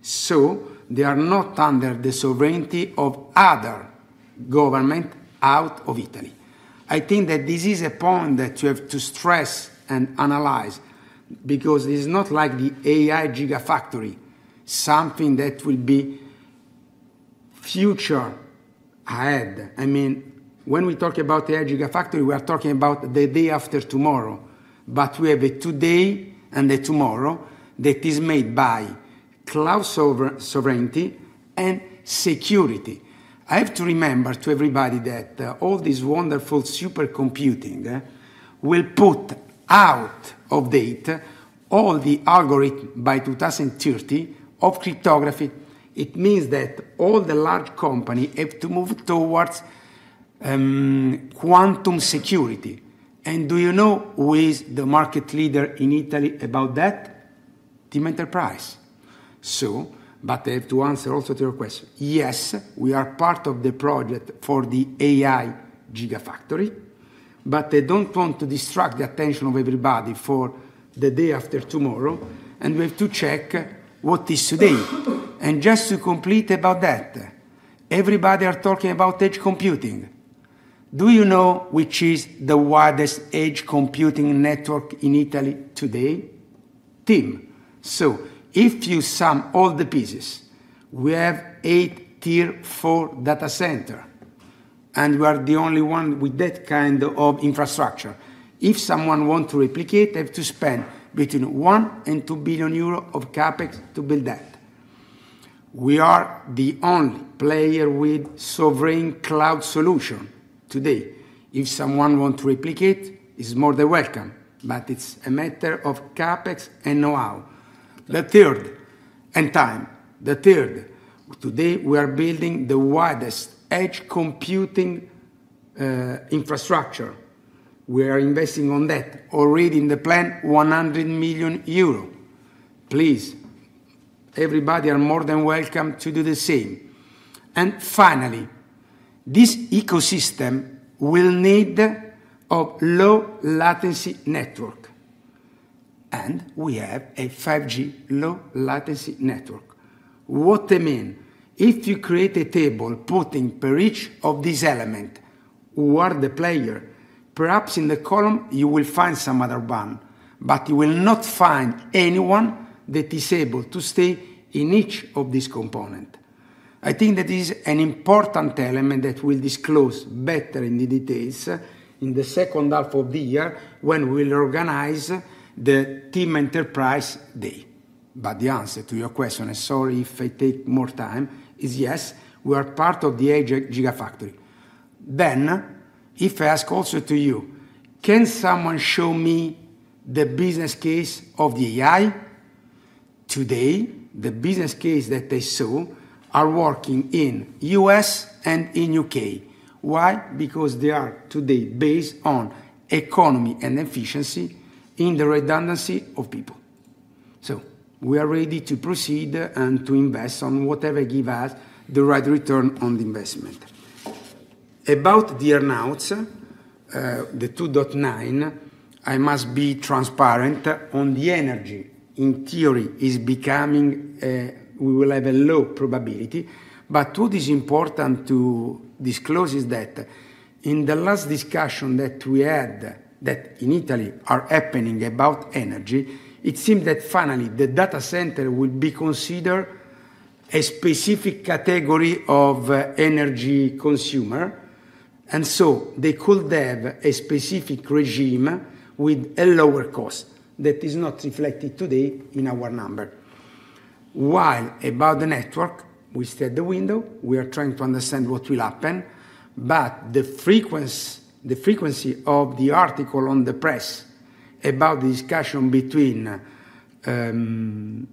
so they are not under the sovereignty of other government out of Italy. I think that this is a point that you have to stress and analyze because it is not like the AI gigafactory, something that will be future ahead. I mean, when we talk about AI gigafactory, we are talking about the day after tomorrow, but we have a today and a tomorrow that is made by cloud sovereignty and security. I have to remember to everybody that all this wonderful supercomputing will put out of date all the algorithm by 2030 of cryptography. It means that all the large company have to move towards quantum security. Do you know who is the market leader in Italy about that? TIM Enterprise. I have to answer also to your question. Yes, we are part of the project for the AI gigafactory. I don't want to distract the attention of everybody for the day after tomorrow. We have to check what is today. Just to complete about that, everybody is talking about edge computing. Do you know which is the widest edge computing network in Italy today? TIM. If you sum all the pieces, we have eight tier four data centers and we are the only one with that kind of infrastructure. If someone wants to replicate, they have to spend between €1 billion and €2 billion of CapEx to build that. We are the only player with sovereign cloud solution today. If someone wants to replicate, it's more than welcome. It's a matter of CapEx and know-how, the third and time the third. Today we are building the widest edge computing infrastructure. We are investing on that already in the plan, €100 million. Please, everybody is more than welcome to do the same. Finally, this ecosystem will need a low latency network, and we have a 5G low latency network. What does that mean? If you create a table, putting for each of these elements who are the players, perhaps in the column you will find some other brand, but you will not find anyone that is able to stay in each of these components. I think that is an important element that we'll disclose better in the details in the second half of the year when we will organize the team Enterprise Day. The answer to your question, I'm sorry if I take more time, is yes, we are part of the Ajax gigafactory. If I ask also to you, can someone show me the business case of the AI today? The business cases that I saw are working in the U.S. and in the U.K. Why? Because they are today based on economy and efficiency in the redundancy of people. We are ready to proceed and to invest on whatever gives us the right return on the investment. About the earnouts, the 2.9, I must be transparent on the energy. In theory, it is becoming. We will have a low probability. What is important to disclose is that in the last discussion that we had, that in Italy are happening about energy, it seems that finally the data center will be considered a specific category of energy consumer, and so they could have a specific regime with a lower cost that is not reflected today in our number. While about the network, we set the window, we are trying to understand what will happen. The frequency of the articles in the press about the discussion between Open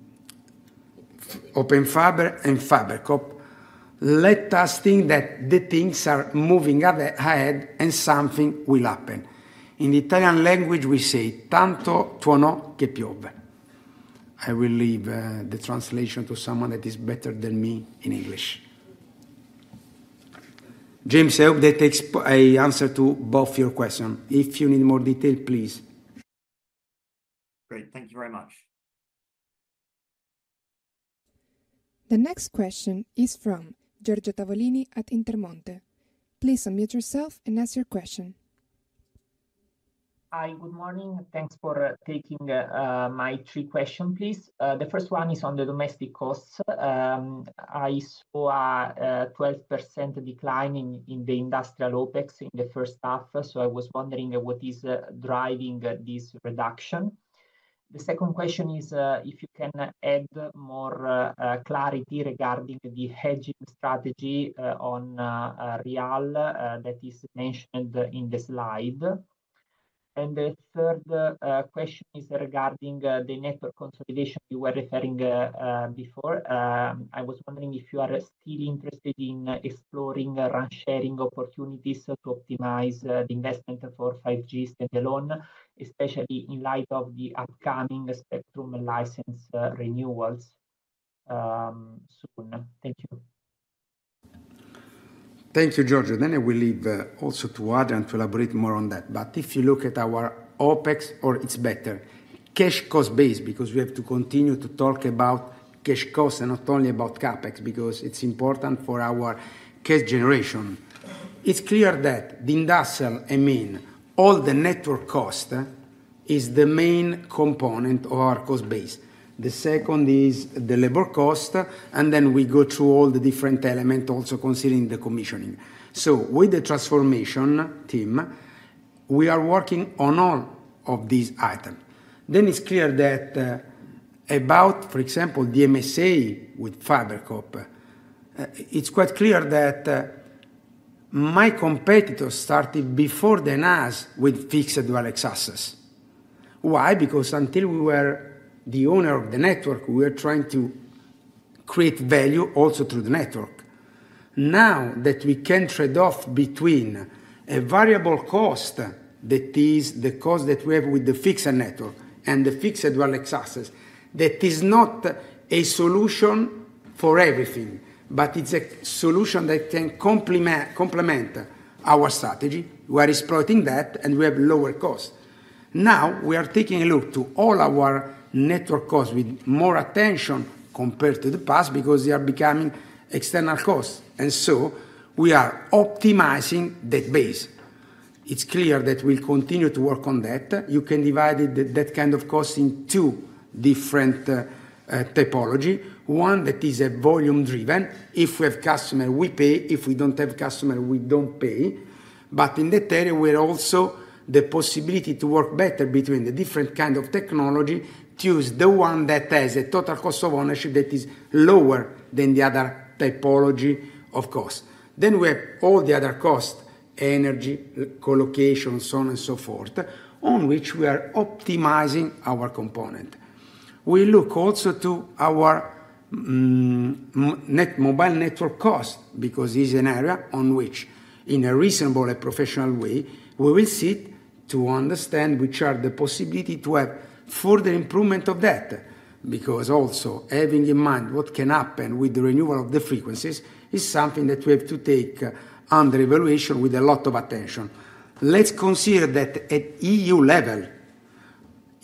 Fiber and FiberCop lets us think that things are moving ahead and something will happen. In the Italian language, we say tanto tuono che piove. I will leave the translation to someone that is better than me in English. James, I hope that I answered both your questions. If you need more detail, please. Great. Thank you very much. The next question is from Giorgio Tavolini at Intermonte. Please unmute yourself and ask your question. Hi, good morning. Thanks for taking my three questions, please. The first one is on the domestic costs. I saw a 12% decline in the industrial OpEx in the first half, so I was wondering what is driving this reduction. The second question is if you can add more clarity regarding the hedging strategy on Rial that is mentioned in the slide. The third question is regarding the network consolidation you were referring to before. I was wondering if you are still interested in exploring sharing opportunities to optimize the investment for 5G stand alone, especially in light of the upcoming spectrum live license renewals soon. Thank you. Thank you, Giorgio. I will leave also to Adrian to elaborate more on that. If you look at our OpEx, or it's better cash cost based because we have to continue to talk about cash cost and not only about CapEx, because it's important for our cash generation. It's clear that the industrial, I mean all the network cost, is the main component of our cost base. The second is the labor cost. We go through all the different elements also considering the commissioning. With the transformation team, we are working on all of these items. It's clear that about, for example, DMSA with FiberCorp, it's quite clear that my competitors started before the NAS with fixed dual X assets. Why? Because until we were the owner of the network, we were trying to create value also through the network. Now that we can trade off between a variable cost, that is the cost that we have with the fixed network, and the fixed wallet access. That is not a solution for everything, but it's a solution that can complement our strategy. We are exploiting that and we have lower cost. Now we are taking a look to all our network costs with more attention compared to the past because they are becoming external costs, and we are optimizing that base. It's clear that we'll continue to work on that. You can divide that kind of cost in two different typology. One that is volume driven. If we have customer, we pay, if we don't have customer, we don't pay. In that area, there is also the possibility to work better between the different kind of technology. Choose the one that has a total cost of ownership that is lower than the other typology of cost. We have all the other cost, energy, colocation, and so on and so forth, on which we are optimizing our component. We look also to our mobile network cost because it's an area on which in a reasonable and professional way we will sit to understand which are the possibility to have further improvement of that. Also having in mind what can happen with the renewal of the frequencies is something that we have to take under evaluation with a lot of attention. Let's consider that at E.U. level,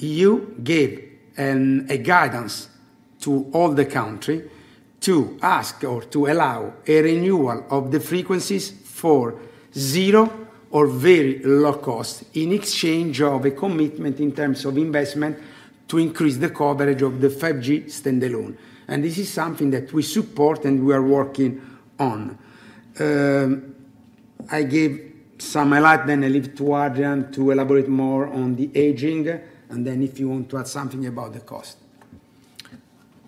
E.U. gave a guidance to all the country to ask or to allow a renewal of the frequencies for zero or very low cost in exchange of a commitment in terms of investment to increase the coverage of the 5G standalone. This is something that we support and we are working on. I gave some highlight, I leave it to Adrian to elaborate more on the aging, and if you want to add something about the cost.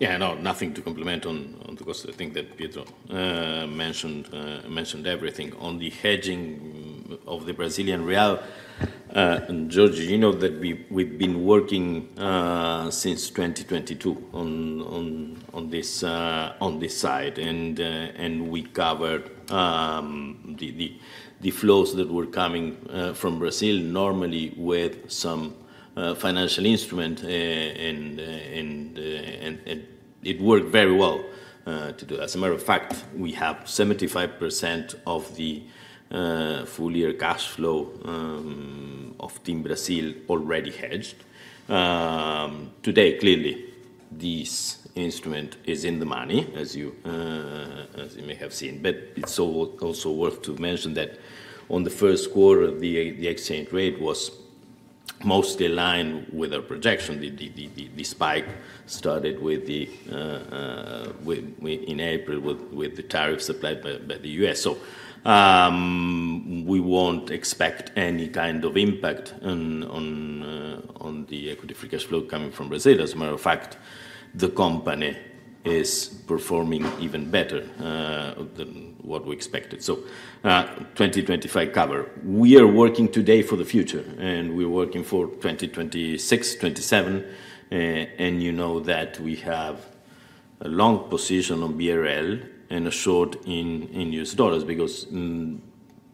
Yeah, no, nothing to compliment on the cost. I think that Pietro mentioned everything on the hedging of the Brazilian real and George, you know that we've been working since 2022 on this side and we covered the flows that were coming from Brazil normally with some financial instrument and it worked very well to do. As a matter of fact, we have 75% of the full year cash flow of TIM Brasil already hedged today. Clearly this instrument is in the money, as you may have seen. It's also worth to mention that in the first quarter the exchange rate was mostly aligned with our projection. The spike started in April with the tariffs supplied by the U.S. We won't expect any kind of impact on the equity free cash flow coming from Brazil. As a matter of fact, the company is performing even better than what we expected. For 2025 cover, we are working today for the future and we're working for 2026, 2027. You know that we have a long position on BRL and a short in U.S. dollars because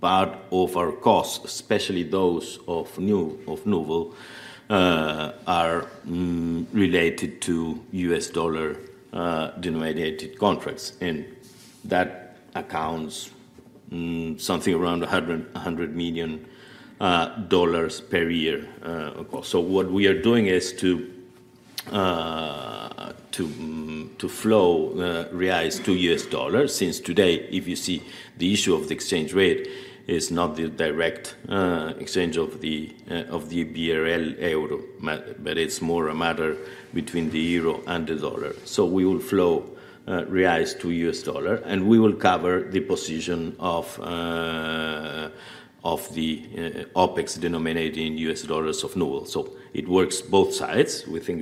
part of our costs, especially those of Noovel, are related to U.S. dollar denominated contracts and that accounts for something around $100 million per year. What we are doing is to flow reais to U.S. dollars since today, if you see, the issue of the exchange rate is not the direct exchange of the BRL Euro, but it's more a matter between the Euro and the dollar. We will flow reais to U.S. dollar and we will cover the OpEx denominated in U.S. dollars of Noovel. It works both sides. We think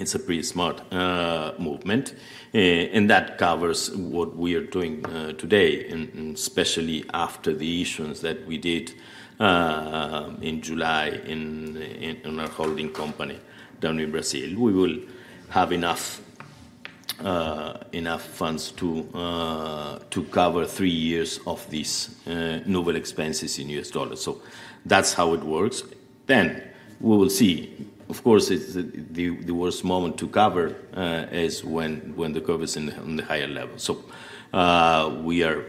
it's a pretty smart movement and that covers what we are doing today, especially after the issuance that we did in July in our holding company down in Brazil. We will have enough funds to cover three years of these Noovel expenses in U.S. dollars. That's how it works. Of course, the worst moment to cover is when the COVID is in the higher level. We are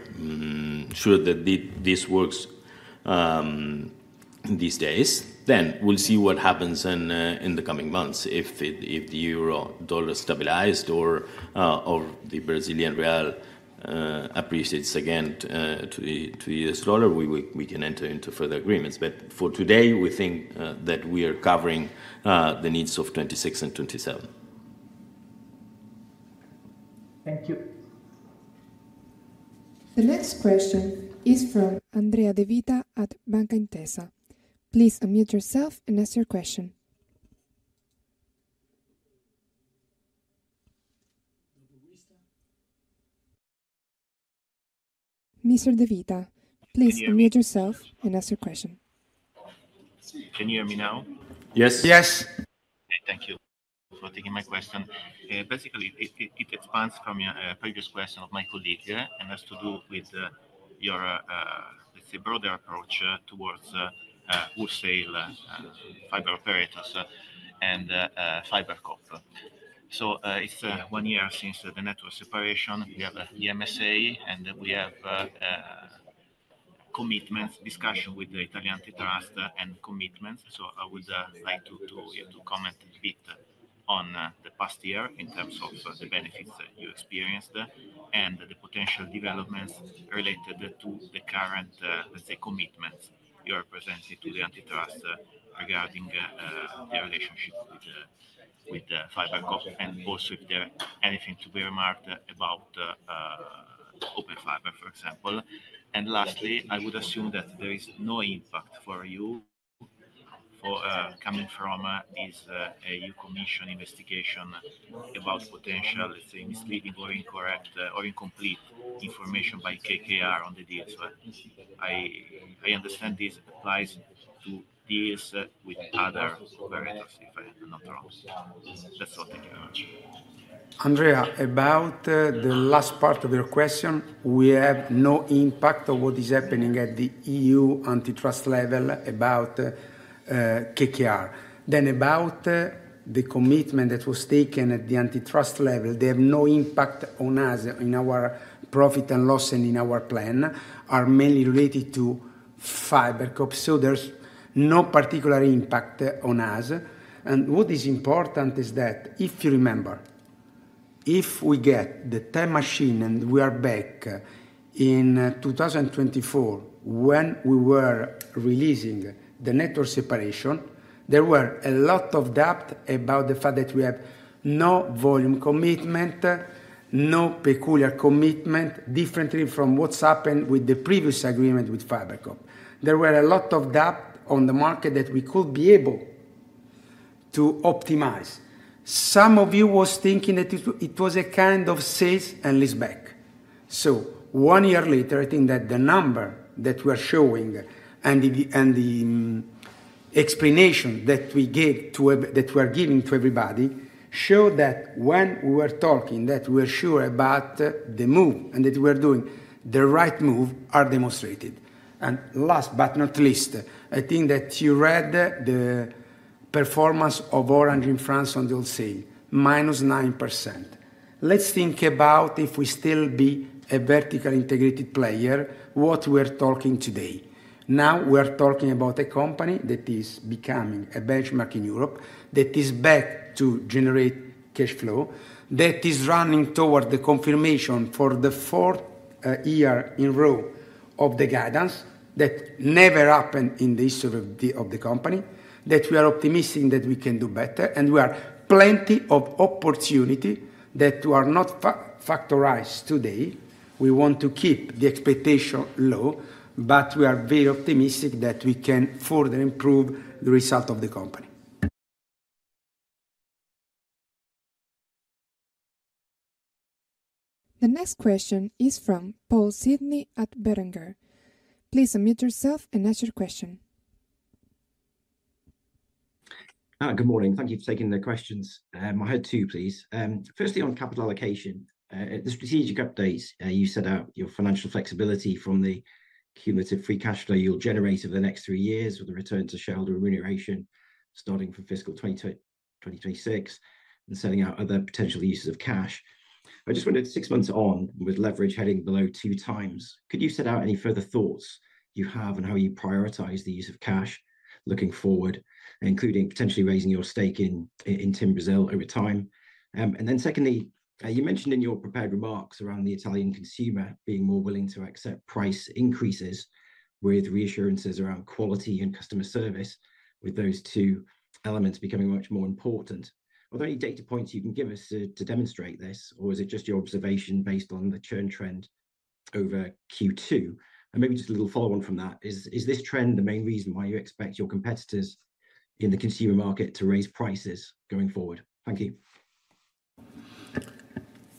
sure that this works these days. We'll see what happens in the coming months. If the Euro dollar stabilizes or the Brazilian real appreciates again to the dollar, we can enter into further agreements. For today we think that we are covering the needs of 2026 and 2027. Thank you. The next question is from Andrea Devita at Bank Intesa. Please unmute yourself and ask your question. Mr. Devita, please unmute yourself and ask your question. Can you hear me now? Yes, yes. Thank you for taking my question. Basically, it answers a previous question of my colleagues and has to do with your, let's say, broader approach towards wholesale fiber operators and FiberCop. It's one year since the network separation. We have EMSA and we have commitments discussion with the Italian antitrust and commitment. I would like to comment a bit on the past year in terms of the benefits that you experienced and the potential developments related to the current commitments you are presenting to the antitrust regarding the relationship with FiberCorp. If there is anything to be remarked about Open Fiber, for example, please mention it. Lastly, I would assume that there is no impact for you coming from this E.U. Commission investigation about potential misleading or incorrect or incomplete information by KKR on the deals. I understand this applies to deals with other variants or different cases. That's not the energy. Andrea, about the last part of your question. We have no impact of what is happening at the E.U. antitrust level about KKR. About the commitment that was taken at the antitrust level, they have no impact on us in our profit and loss and in our plan, are mainly related to FiberCop. There's no particular impact on us. What is important is that if you remember, if we get the time machine and we are back in 2024 when we were releasing the network separation, there were a lot of doubts about the fact that we have no volume commitment, no peculiar commitment, differently from what's happened with the previous agreement with FiberCop. There were a lot of doubts on the market that we could be able to optimize. Some of you were thinking that it was a kind of sale and lease back. One year later, I think that the numbers that we are showing and the explanation that we gave and that we are giving to everybody show that when we were talking that we're sure about the move and that we're doing the right move are demonstrated. Last but not least, I think that you read the performance of Orange in France on the wholesale -9%. Let's think about if we still were a vertically integrated player what we are talking today. Now we are talking about a company that is becoming a benchmark in Europe, that is back to generate cash flow, that is running toward the confirmation for the fourth year in a row of the guidance that never happened in the history of the company, that we are optimistic that we can do better, and we are plenty of opportunities that are not factorized today. We want to keep the expectation low, but we are very optimistic that we can further improve the result of the company. The next question is from Paul Sydney at Behrenger. Please unmute yourself and ask your question. Good morning. Thank you for taking the questions. I had two, please. Firstly, on capital allocation, the strategic updates you set out your financial flexibility from the cumulative free cash flow you'll generate over the next three years with a return to shareholder remuneration starting from fiscal 2026 and setting out other potential uses of cash. I just wondered, six months on with leverage heading below 2x, could you set out any further thoughts you have and how you prioritize the use of cash looking forward, including potentially raising your stake in TIM Brasil over time. Secondly, you mentioned in your prepared remarks around the Italian consumer being more willing to accept price increases with reassurances around quality and customer service, with those two elements becoming much more important. Are there any data points you can give us to demonstrate this, or is it just your observation based on the. Churn trend over Q2, and maybe just a little follow on from that. Is this trend the main reason why you expect your competitors in the consumer market to raise prices going forward? Thank you.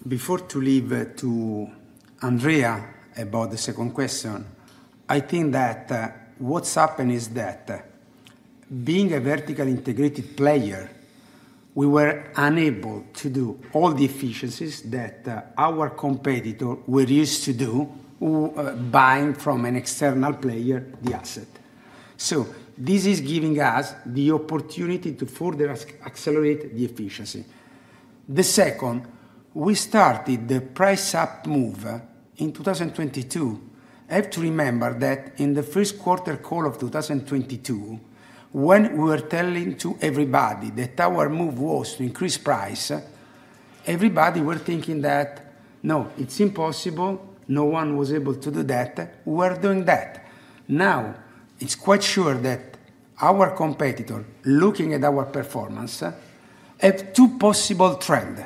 Before I leave to Andrea about the second question, I think that what's happened is that being a vertically integrated player, we were unable to do all the efficiencies that our competitor were used to do or buying from an external player the asset. This is giving us the opportunity to further accelerate the efficiency. The second, we started the price up move in 2022. Have to remember that in the first quarter call of 2022, when we were telling to everybody that our move was to increase price, everybody were thinking that no, it's impossible, no one was able to do that. We're doing that now. It's quite sure that our competitor, looking at our performance, have two possible trends.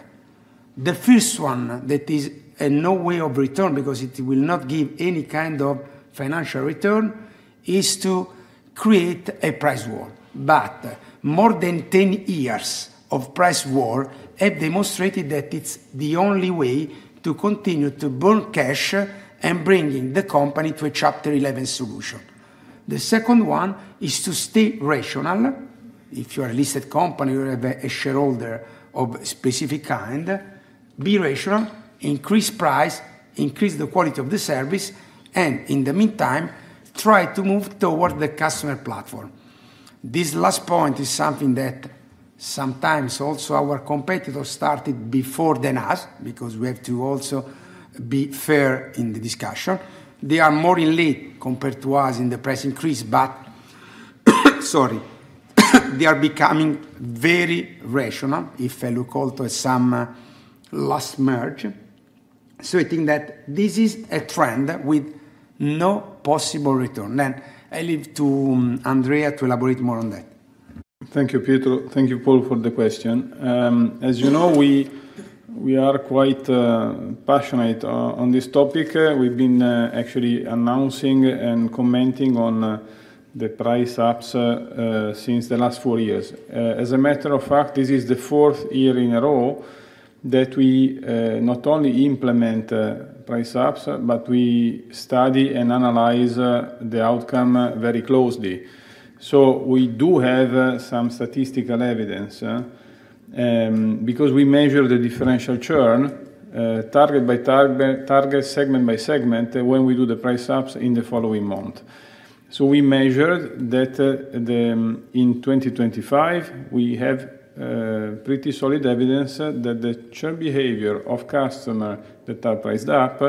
The first one, that is a no way of return because it will not give any kind of financial return, is to create a price war. More than 10 years of price war have demonstrated that it's the only way to continue to burn cash and bringing the company to a Chapter 11 solution. The second one is to stay rational. If you are a listed company or have a shareholder of specific kind, be rational, increase price, increase the quality of the service, and in the meantime try to move toward the customer platform. This last point is something that sometimes also our competitors started before than us because we have to also be fair in the discussion. They are more in late compared to us in the price increase. Sorry, they are becoming very rational if you look after some last merge. I think that this is a trend with no possible return. Then I leave to Andrea to elaborate more on that. Thank you, Peter. Thank you, Paul, for the question. As you know, we are quite passionate on this topic. We've been actually announcing and commenting on the price ups since the last four years. As a matter of fact, this is the fourth year in a row that we not only implement price ups, but we study and analyze the outcome very closely. We do have some statistical evidence because we measure the differential churn target by target, target segment by segment, when we do the price ups in the following month. We measured that in 2025. We have pretty solid evidence that the churn behavior of customer that are priced up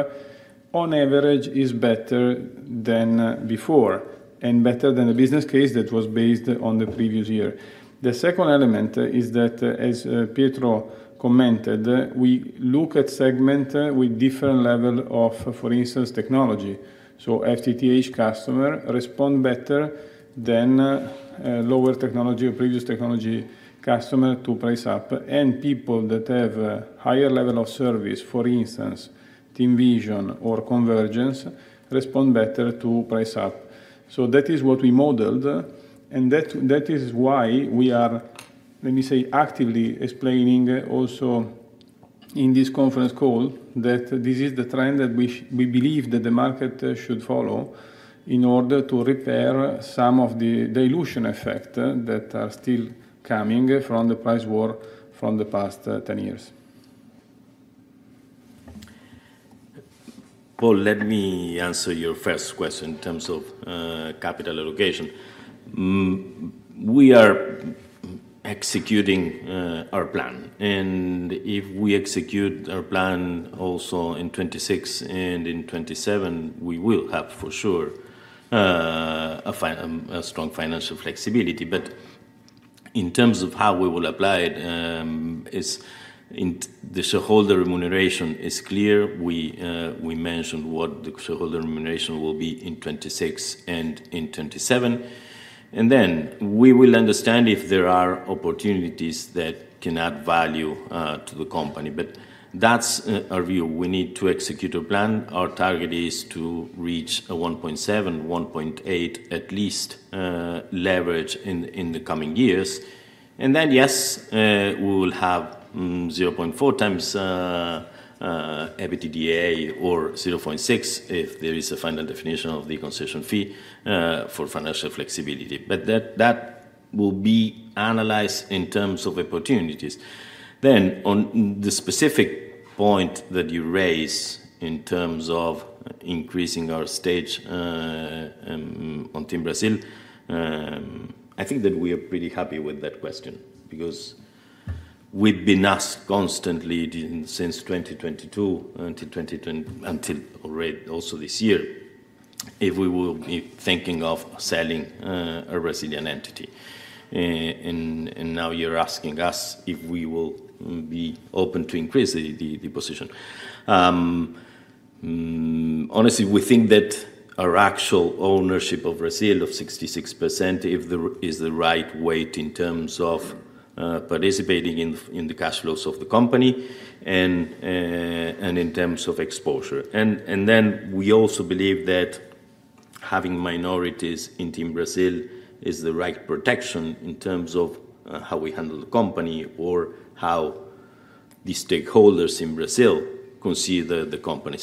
on average is better than before and better than the business case that was based on the previous year. The second element is that, as Pietro commented, we look at segment with different level of, for instance, technology. FTTH customers respond better than lower technology or previous technology customers to price up. People that have higher levels of service, for instance TIMVision or convergence, respond better to price up. That is what we modeled, and that is why we are, let me say, actively explaining also in this conference call that this is the trend that we believe the market should follow in order to repair some of the dilution effect that is still coming from the price war from the past 10 years. Let me answer your first question. In terms of capital allocation, we are executing our plan, and if we execute our plan also in 2026 and in 2027, we will have for sure a strong financial flexibility. In terms of how we will apply it, the shareholder remuneration is clear. We mentioned what the shareholder remuneration will be in 2026 and in 2027, and we will understand if there are opportunities that can add value to the company. That is our view. We need to execute a plan. Our target is to reach a 1.7x, 1.8x at least leverage in the coming years. Yes, we will have 0.4x EBITDA or 0.6x if there is a final definition of the concession fee for financial flexibility, but that will be analyzed in terms of opportunities. On the specific point that you raise in terms of increasing our stake on TIM Brasil, I think that we are pretty happy with that question because we've been asked constantly since 2022 until 2023, and also this year, if we will be thinking of selling a resilient entity. Now you're asking us if we will be open to increase the position. Honestly, we think that our actual ownership of Brazil of 66% is the right weight in terms of participating in the cash flows of the company and in terms of exposure. We also believe that having minorities in TIM Brasil is the right protection in terms of how we handle the company or how the stakeholders in Brazil consider the company.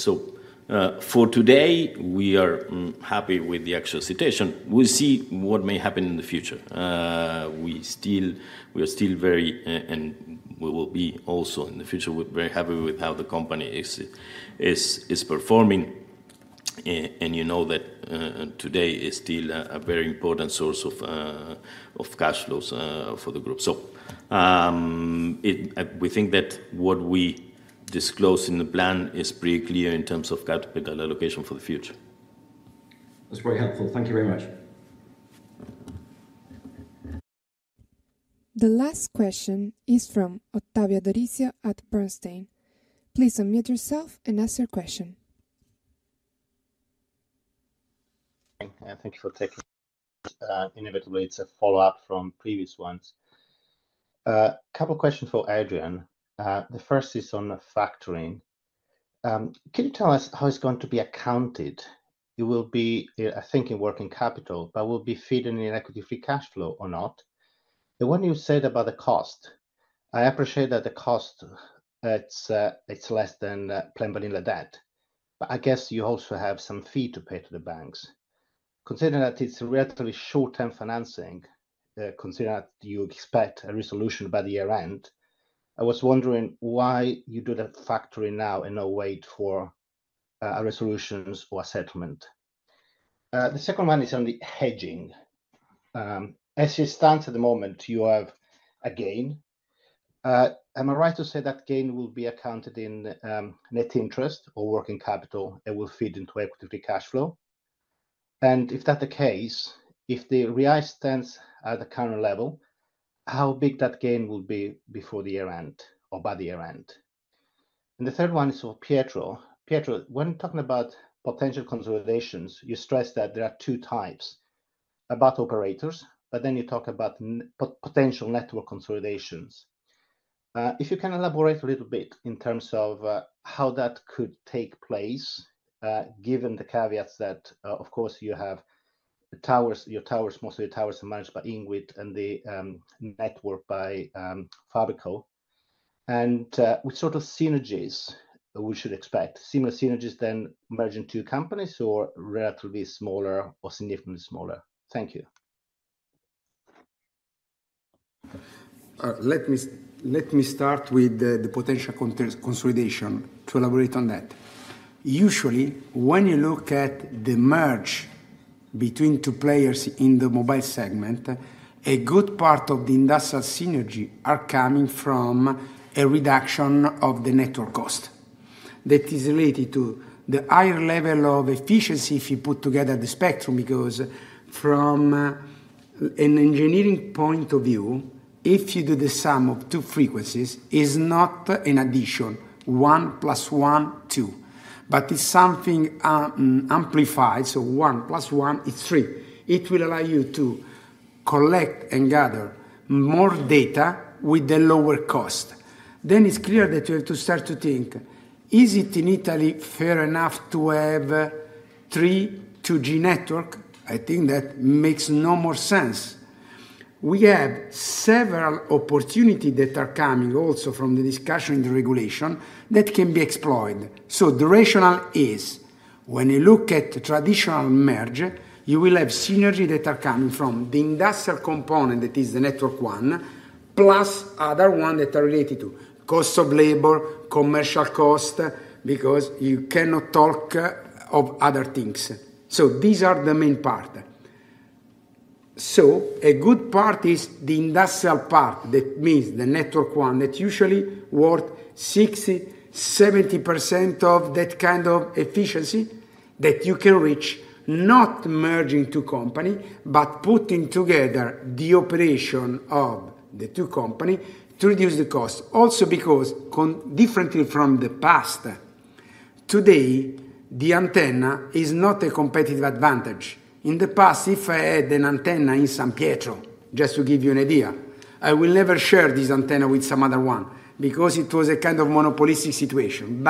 For today, we are happy with the actual situation. We'll see what may happen in the future. We are still very, and we will be also in the future, we're very happy with how the company is performing. You know that today it is still a very important source of cash flows for the group. We think that what we disclose in the plan is pretty clear in terms of capital allocation for the future. That's very helpful. Thank you very much. The last question is from Ottavio Adorisio at Bernstein. Please unmute yourself and ask your question. Thank you for taking. Inevitably, it's a follow-up from previous ones. A couple questions for Adrian. The first is on factoring. Can you tell us how it's going to be accounted? It will be, I think, in working capital, but will be feeding in equity free cash flow or not, the one you said about the cost. I appreciate that the cost, it's less than plain Berlin like that. I guess you also have some fee to pay to the banks considering that it's relatively short-term financing, considering that you expect a resolution by the year end. I was wondering why you do that factory now and not wait for a resolution or settlement. The second one is on the hedging. As it stands at the moment, you have a gain. Am I right to say that gain will be accounted in net interest or working capital and will feed into equity free cash flow? If that's the case, if the real stands at the current level, how big that gain will be before the year end or by the year end? The third one is for Pietro. Pietro, when talking about potential consolidations, you stress that there are two types about operators. Then you talk about potential network consolidations. If you can elaborate a little bit in terms of how that could take place, given the caveats that of course you have your towers, mostly towers are managed by INWITand the network by FiberCorp. Which sort of synergies should we expect? Similar synergies to merging two companies, or relatively smaller or significantly smaller? Thank you. Let me start with the potential consolidation. To elaborate on that, usually when you look at the merge between two players in the mobile segment, a good part of the industrial synergy comes from a reduction of the network cost that is related to the higher level of efficiency if you put together the spectrum. From an engineering point of view, if you do the sum of two frequencies, it is not an addition one plus one two, but it's something amplified. One plus one is three. It will allow you to collect and gather more data with a lower cost. It is clear that you have to start to think, is it in Italy fair enough to have 3G, 2G networks? I think that makes no more sense. We have several opportunities that are coming also from the discussion in the regulation that can be exploited. The rationale is, when you look at the traditional merge, you will have synergy that comes from the industrial component, that is the network one, plus other ones that are related to cost of labor, commercial cost, because you cannot talk of other things. These are the main parts. A good part is the industrial part. That means the network one that usually is worth 60%-70% of that kind of efficiency that you can reach. Not merging two companies, but putting together the operation of the two companies to reduce the cost. Also, because differently from the past, today the antenna is not a competitive advantage. In the past, if I had an antenna in San Pietro, just to give you an idea, I would never share this antenna with someone else because it was a kind of monopolistic situation.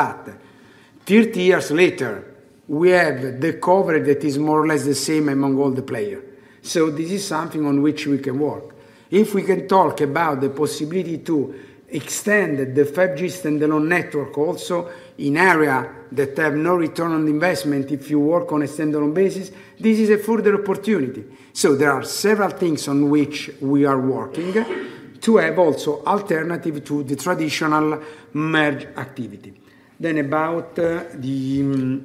Thirty years later, we have the coverage that is more or less the same among all the players. This is something on which we can work. If we can talk about the possibility to extend the FTTH standalone network, also in areas that have no return on investment, if you work on a standalone basis, this is a further opportunity. There are several things on which we are working to have also alternatives to the traditional merge activity. About the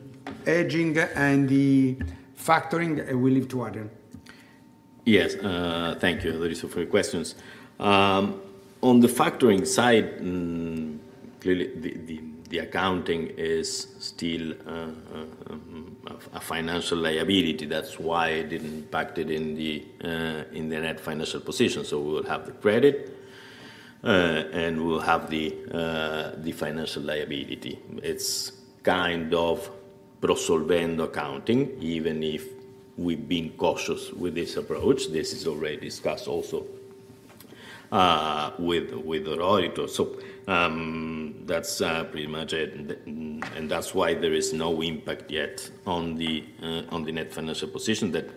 edging and the factoring, we leave to Adrian. Yes, thank you. There are a few questions on the factoring side. Clearly, the accounting is still a financial liability. That's why it didn't impact it in the net financial position. We will have the credit and we'll have the financial liability. It's kind of prosolvento accounting, even if we've been cautious with this approach. This is already discussed also with Reuters. That's pretty much it. That's why there is no impact yet on the net financial position. That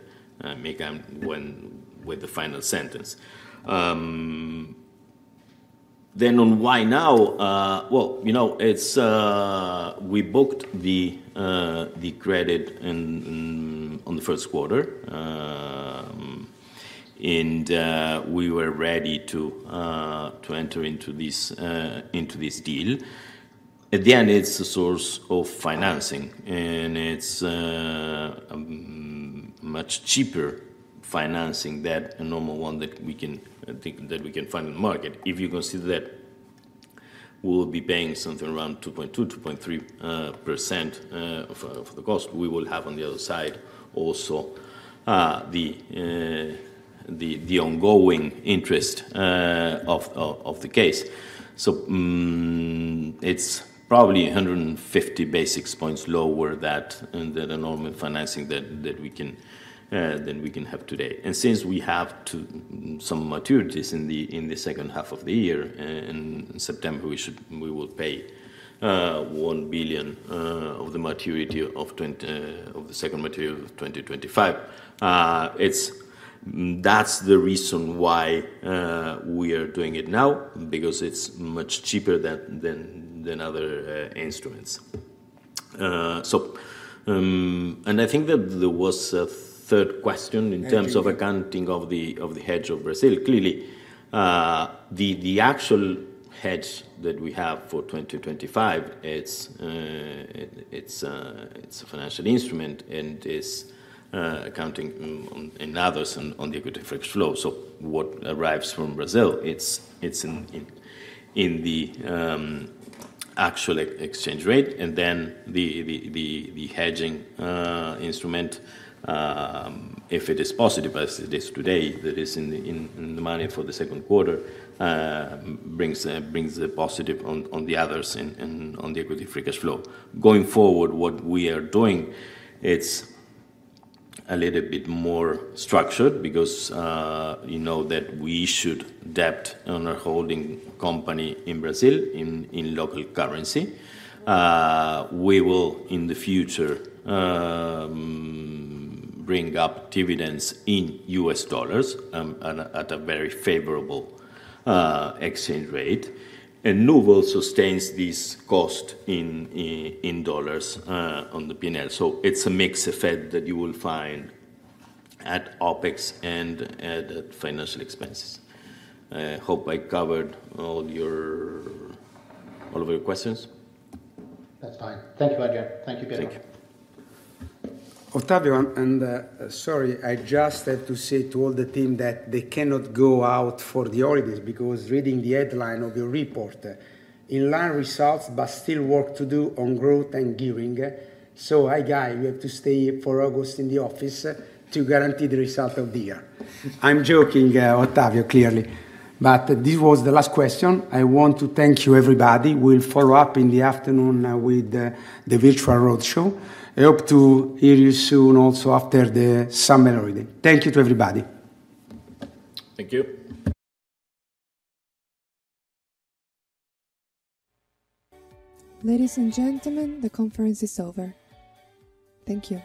may come with the final sentence. On why now, you know, we booked the credit on the first quarter and we were ready to enter into this deal at the end. It's a source of financing and it's much cheaper financing than a normal one that we can think that we can find in the market. If you consider that we will be paying something around 2.2%, 2.3% of the cost, we will have on the other side also the ongoing interest of the case. It's probably 150 basis points lower than the normal financing that we can have today. Since we have some maturities in the second half of the year, in September, we would pay €1 billion of the maturity of the second maturity of 2025. That's the reason why we are doing it now because it's much cheaper than other instruments. I think that there was a third question in terms of accounting of the hedge of Brazil. Clearly, the actual hedge that we have for 2025, it's a financial instrument and is accounting and others on the equity free cash flow. What arrives from Brazil, it's in the actual exchange rate. The hedging instrument, if it is positive as it is today, that is in the money for the second, brings the positive on the others on the equity free cash flow going forward. What we are doing, it's a little bit more structured because you know that we should debt on our holding company in Brazil in local currency. We will in the future bring up dividends in U.S. dollars at a very favorable exchange rate. Nouvel sustains this cost in dollars on the P&L. It's a mix effect that you will find at OpEx and at financial expenses. Hope I covered all of your questions. That's fine. Thank you, Adrian. Thank you, Pietro. Ottavio. Sorry, I just have to say to all the team that they cannot go out for the holidays because reading the headline of your report in line results, but still work to do on growth and gearing. Hi, guys. You have to stay for August in the office to guarantee the result of the year. I'm joking, Ottavio, clearly. This was the last question. I want to thank you, everybody. We'll follow up in the afternoon with the virtual roadshow. I hope to hear you soon, also after the summer already. Thank you to everybody. Thank you. Ladies and gentlemen, the conference is over. Thank you.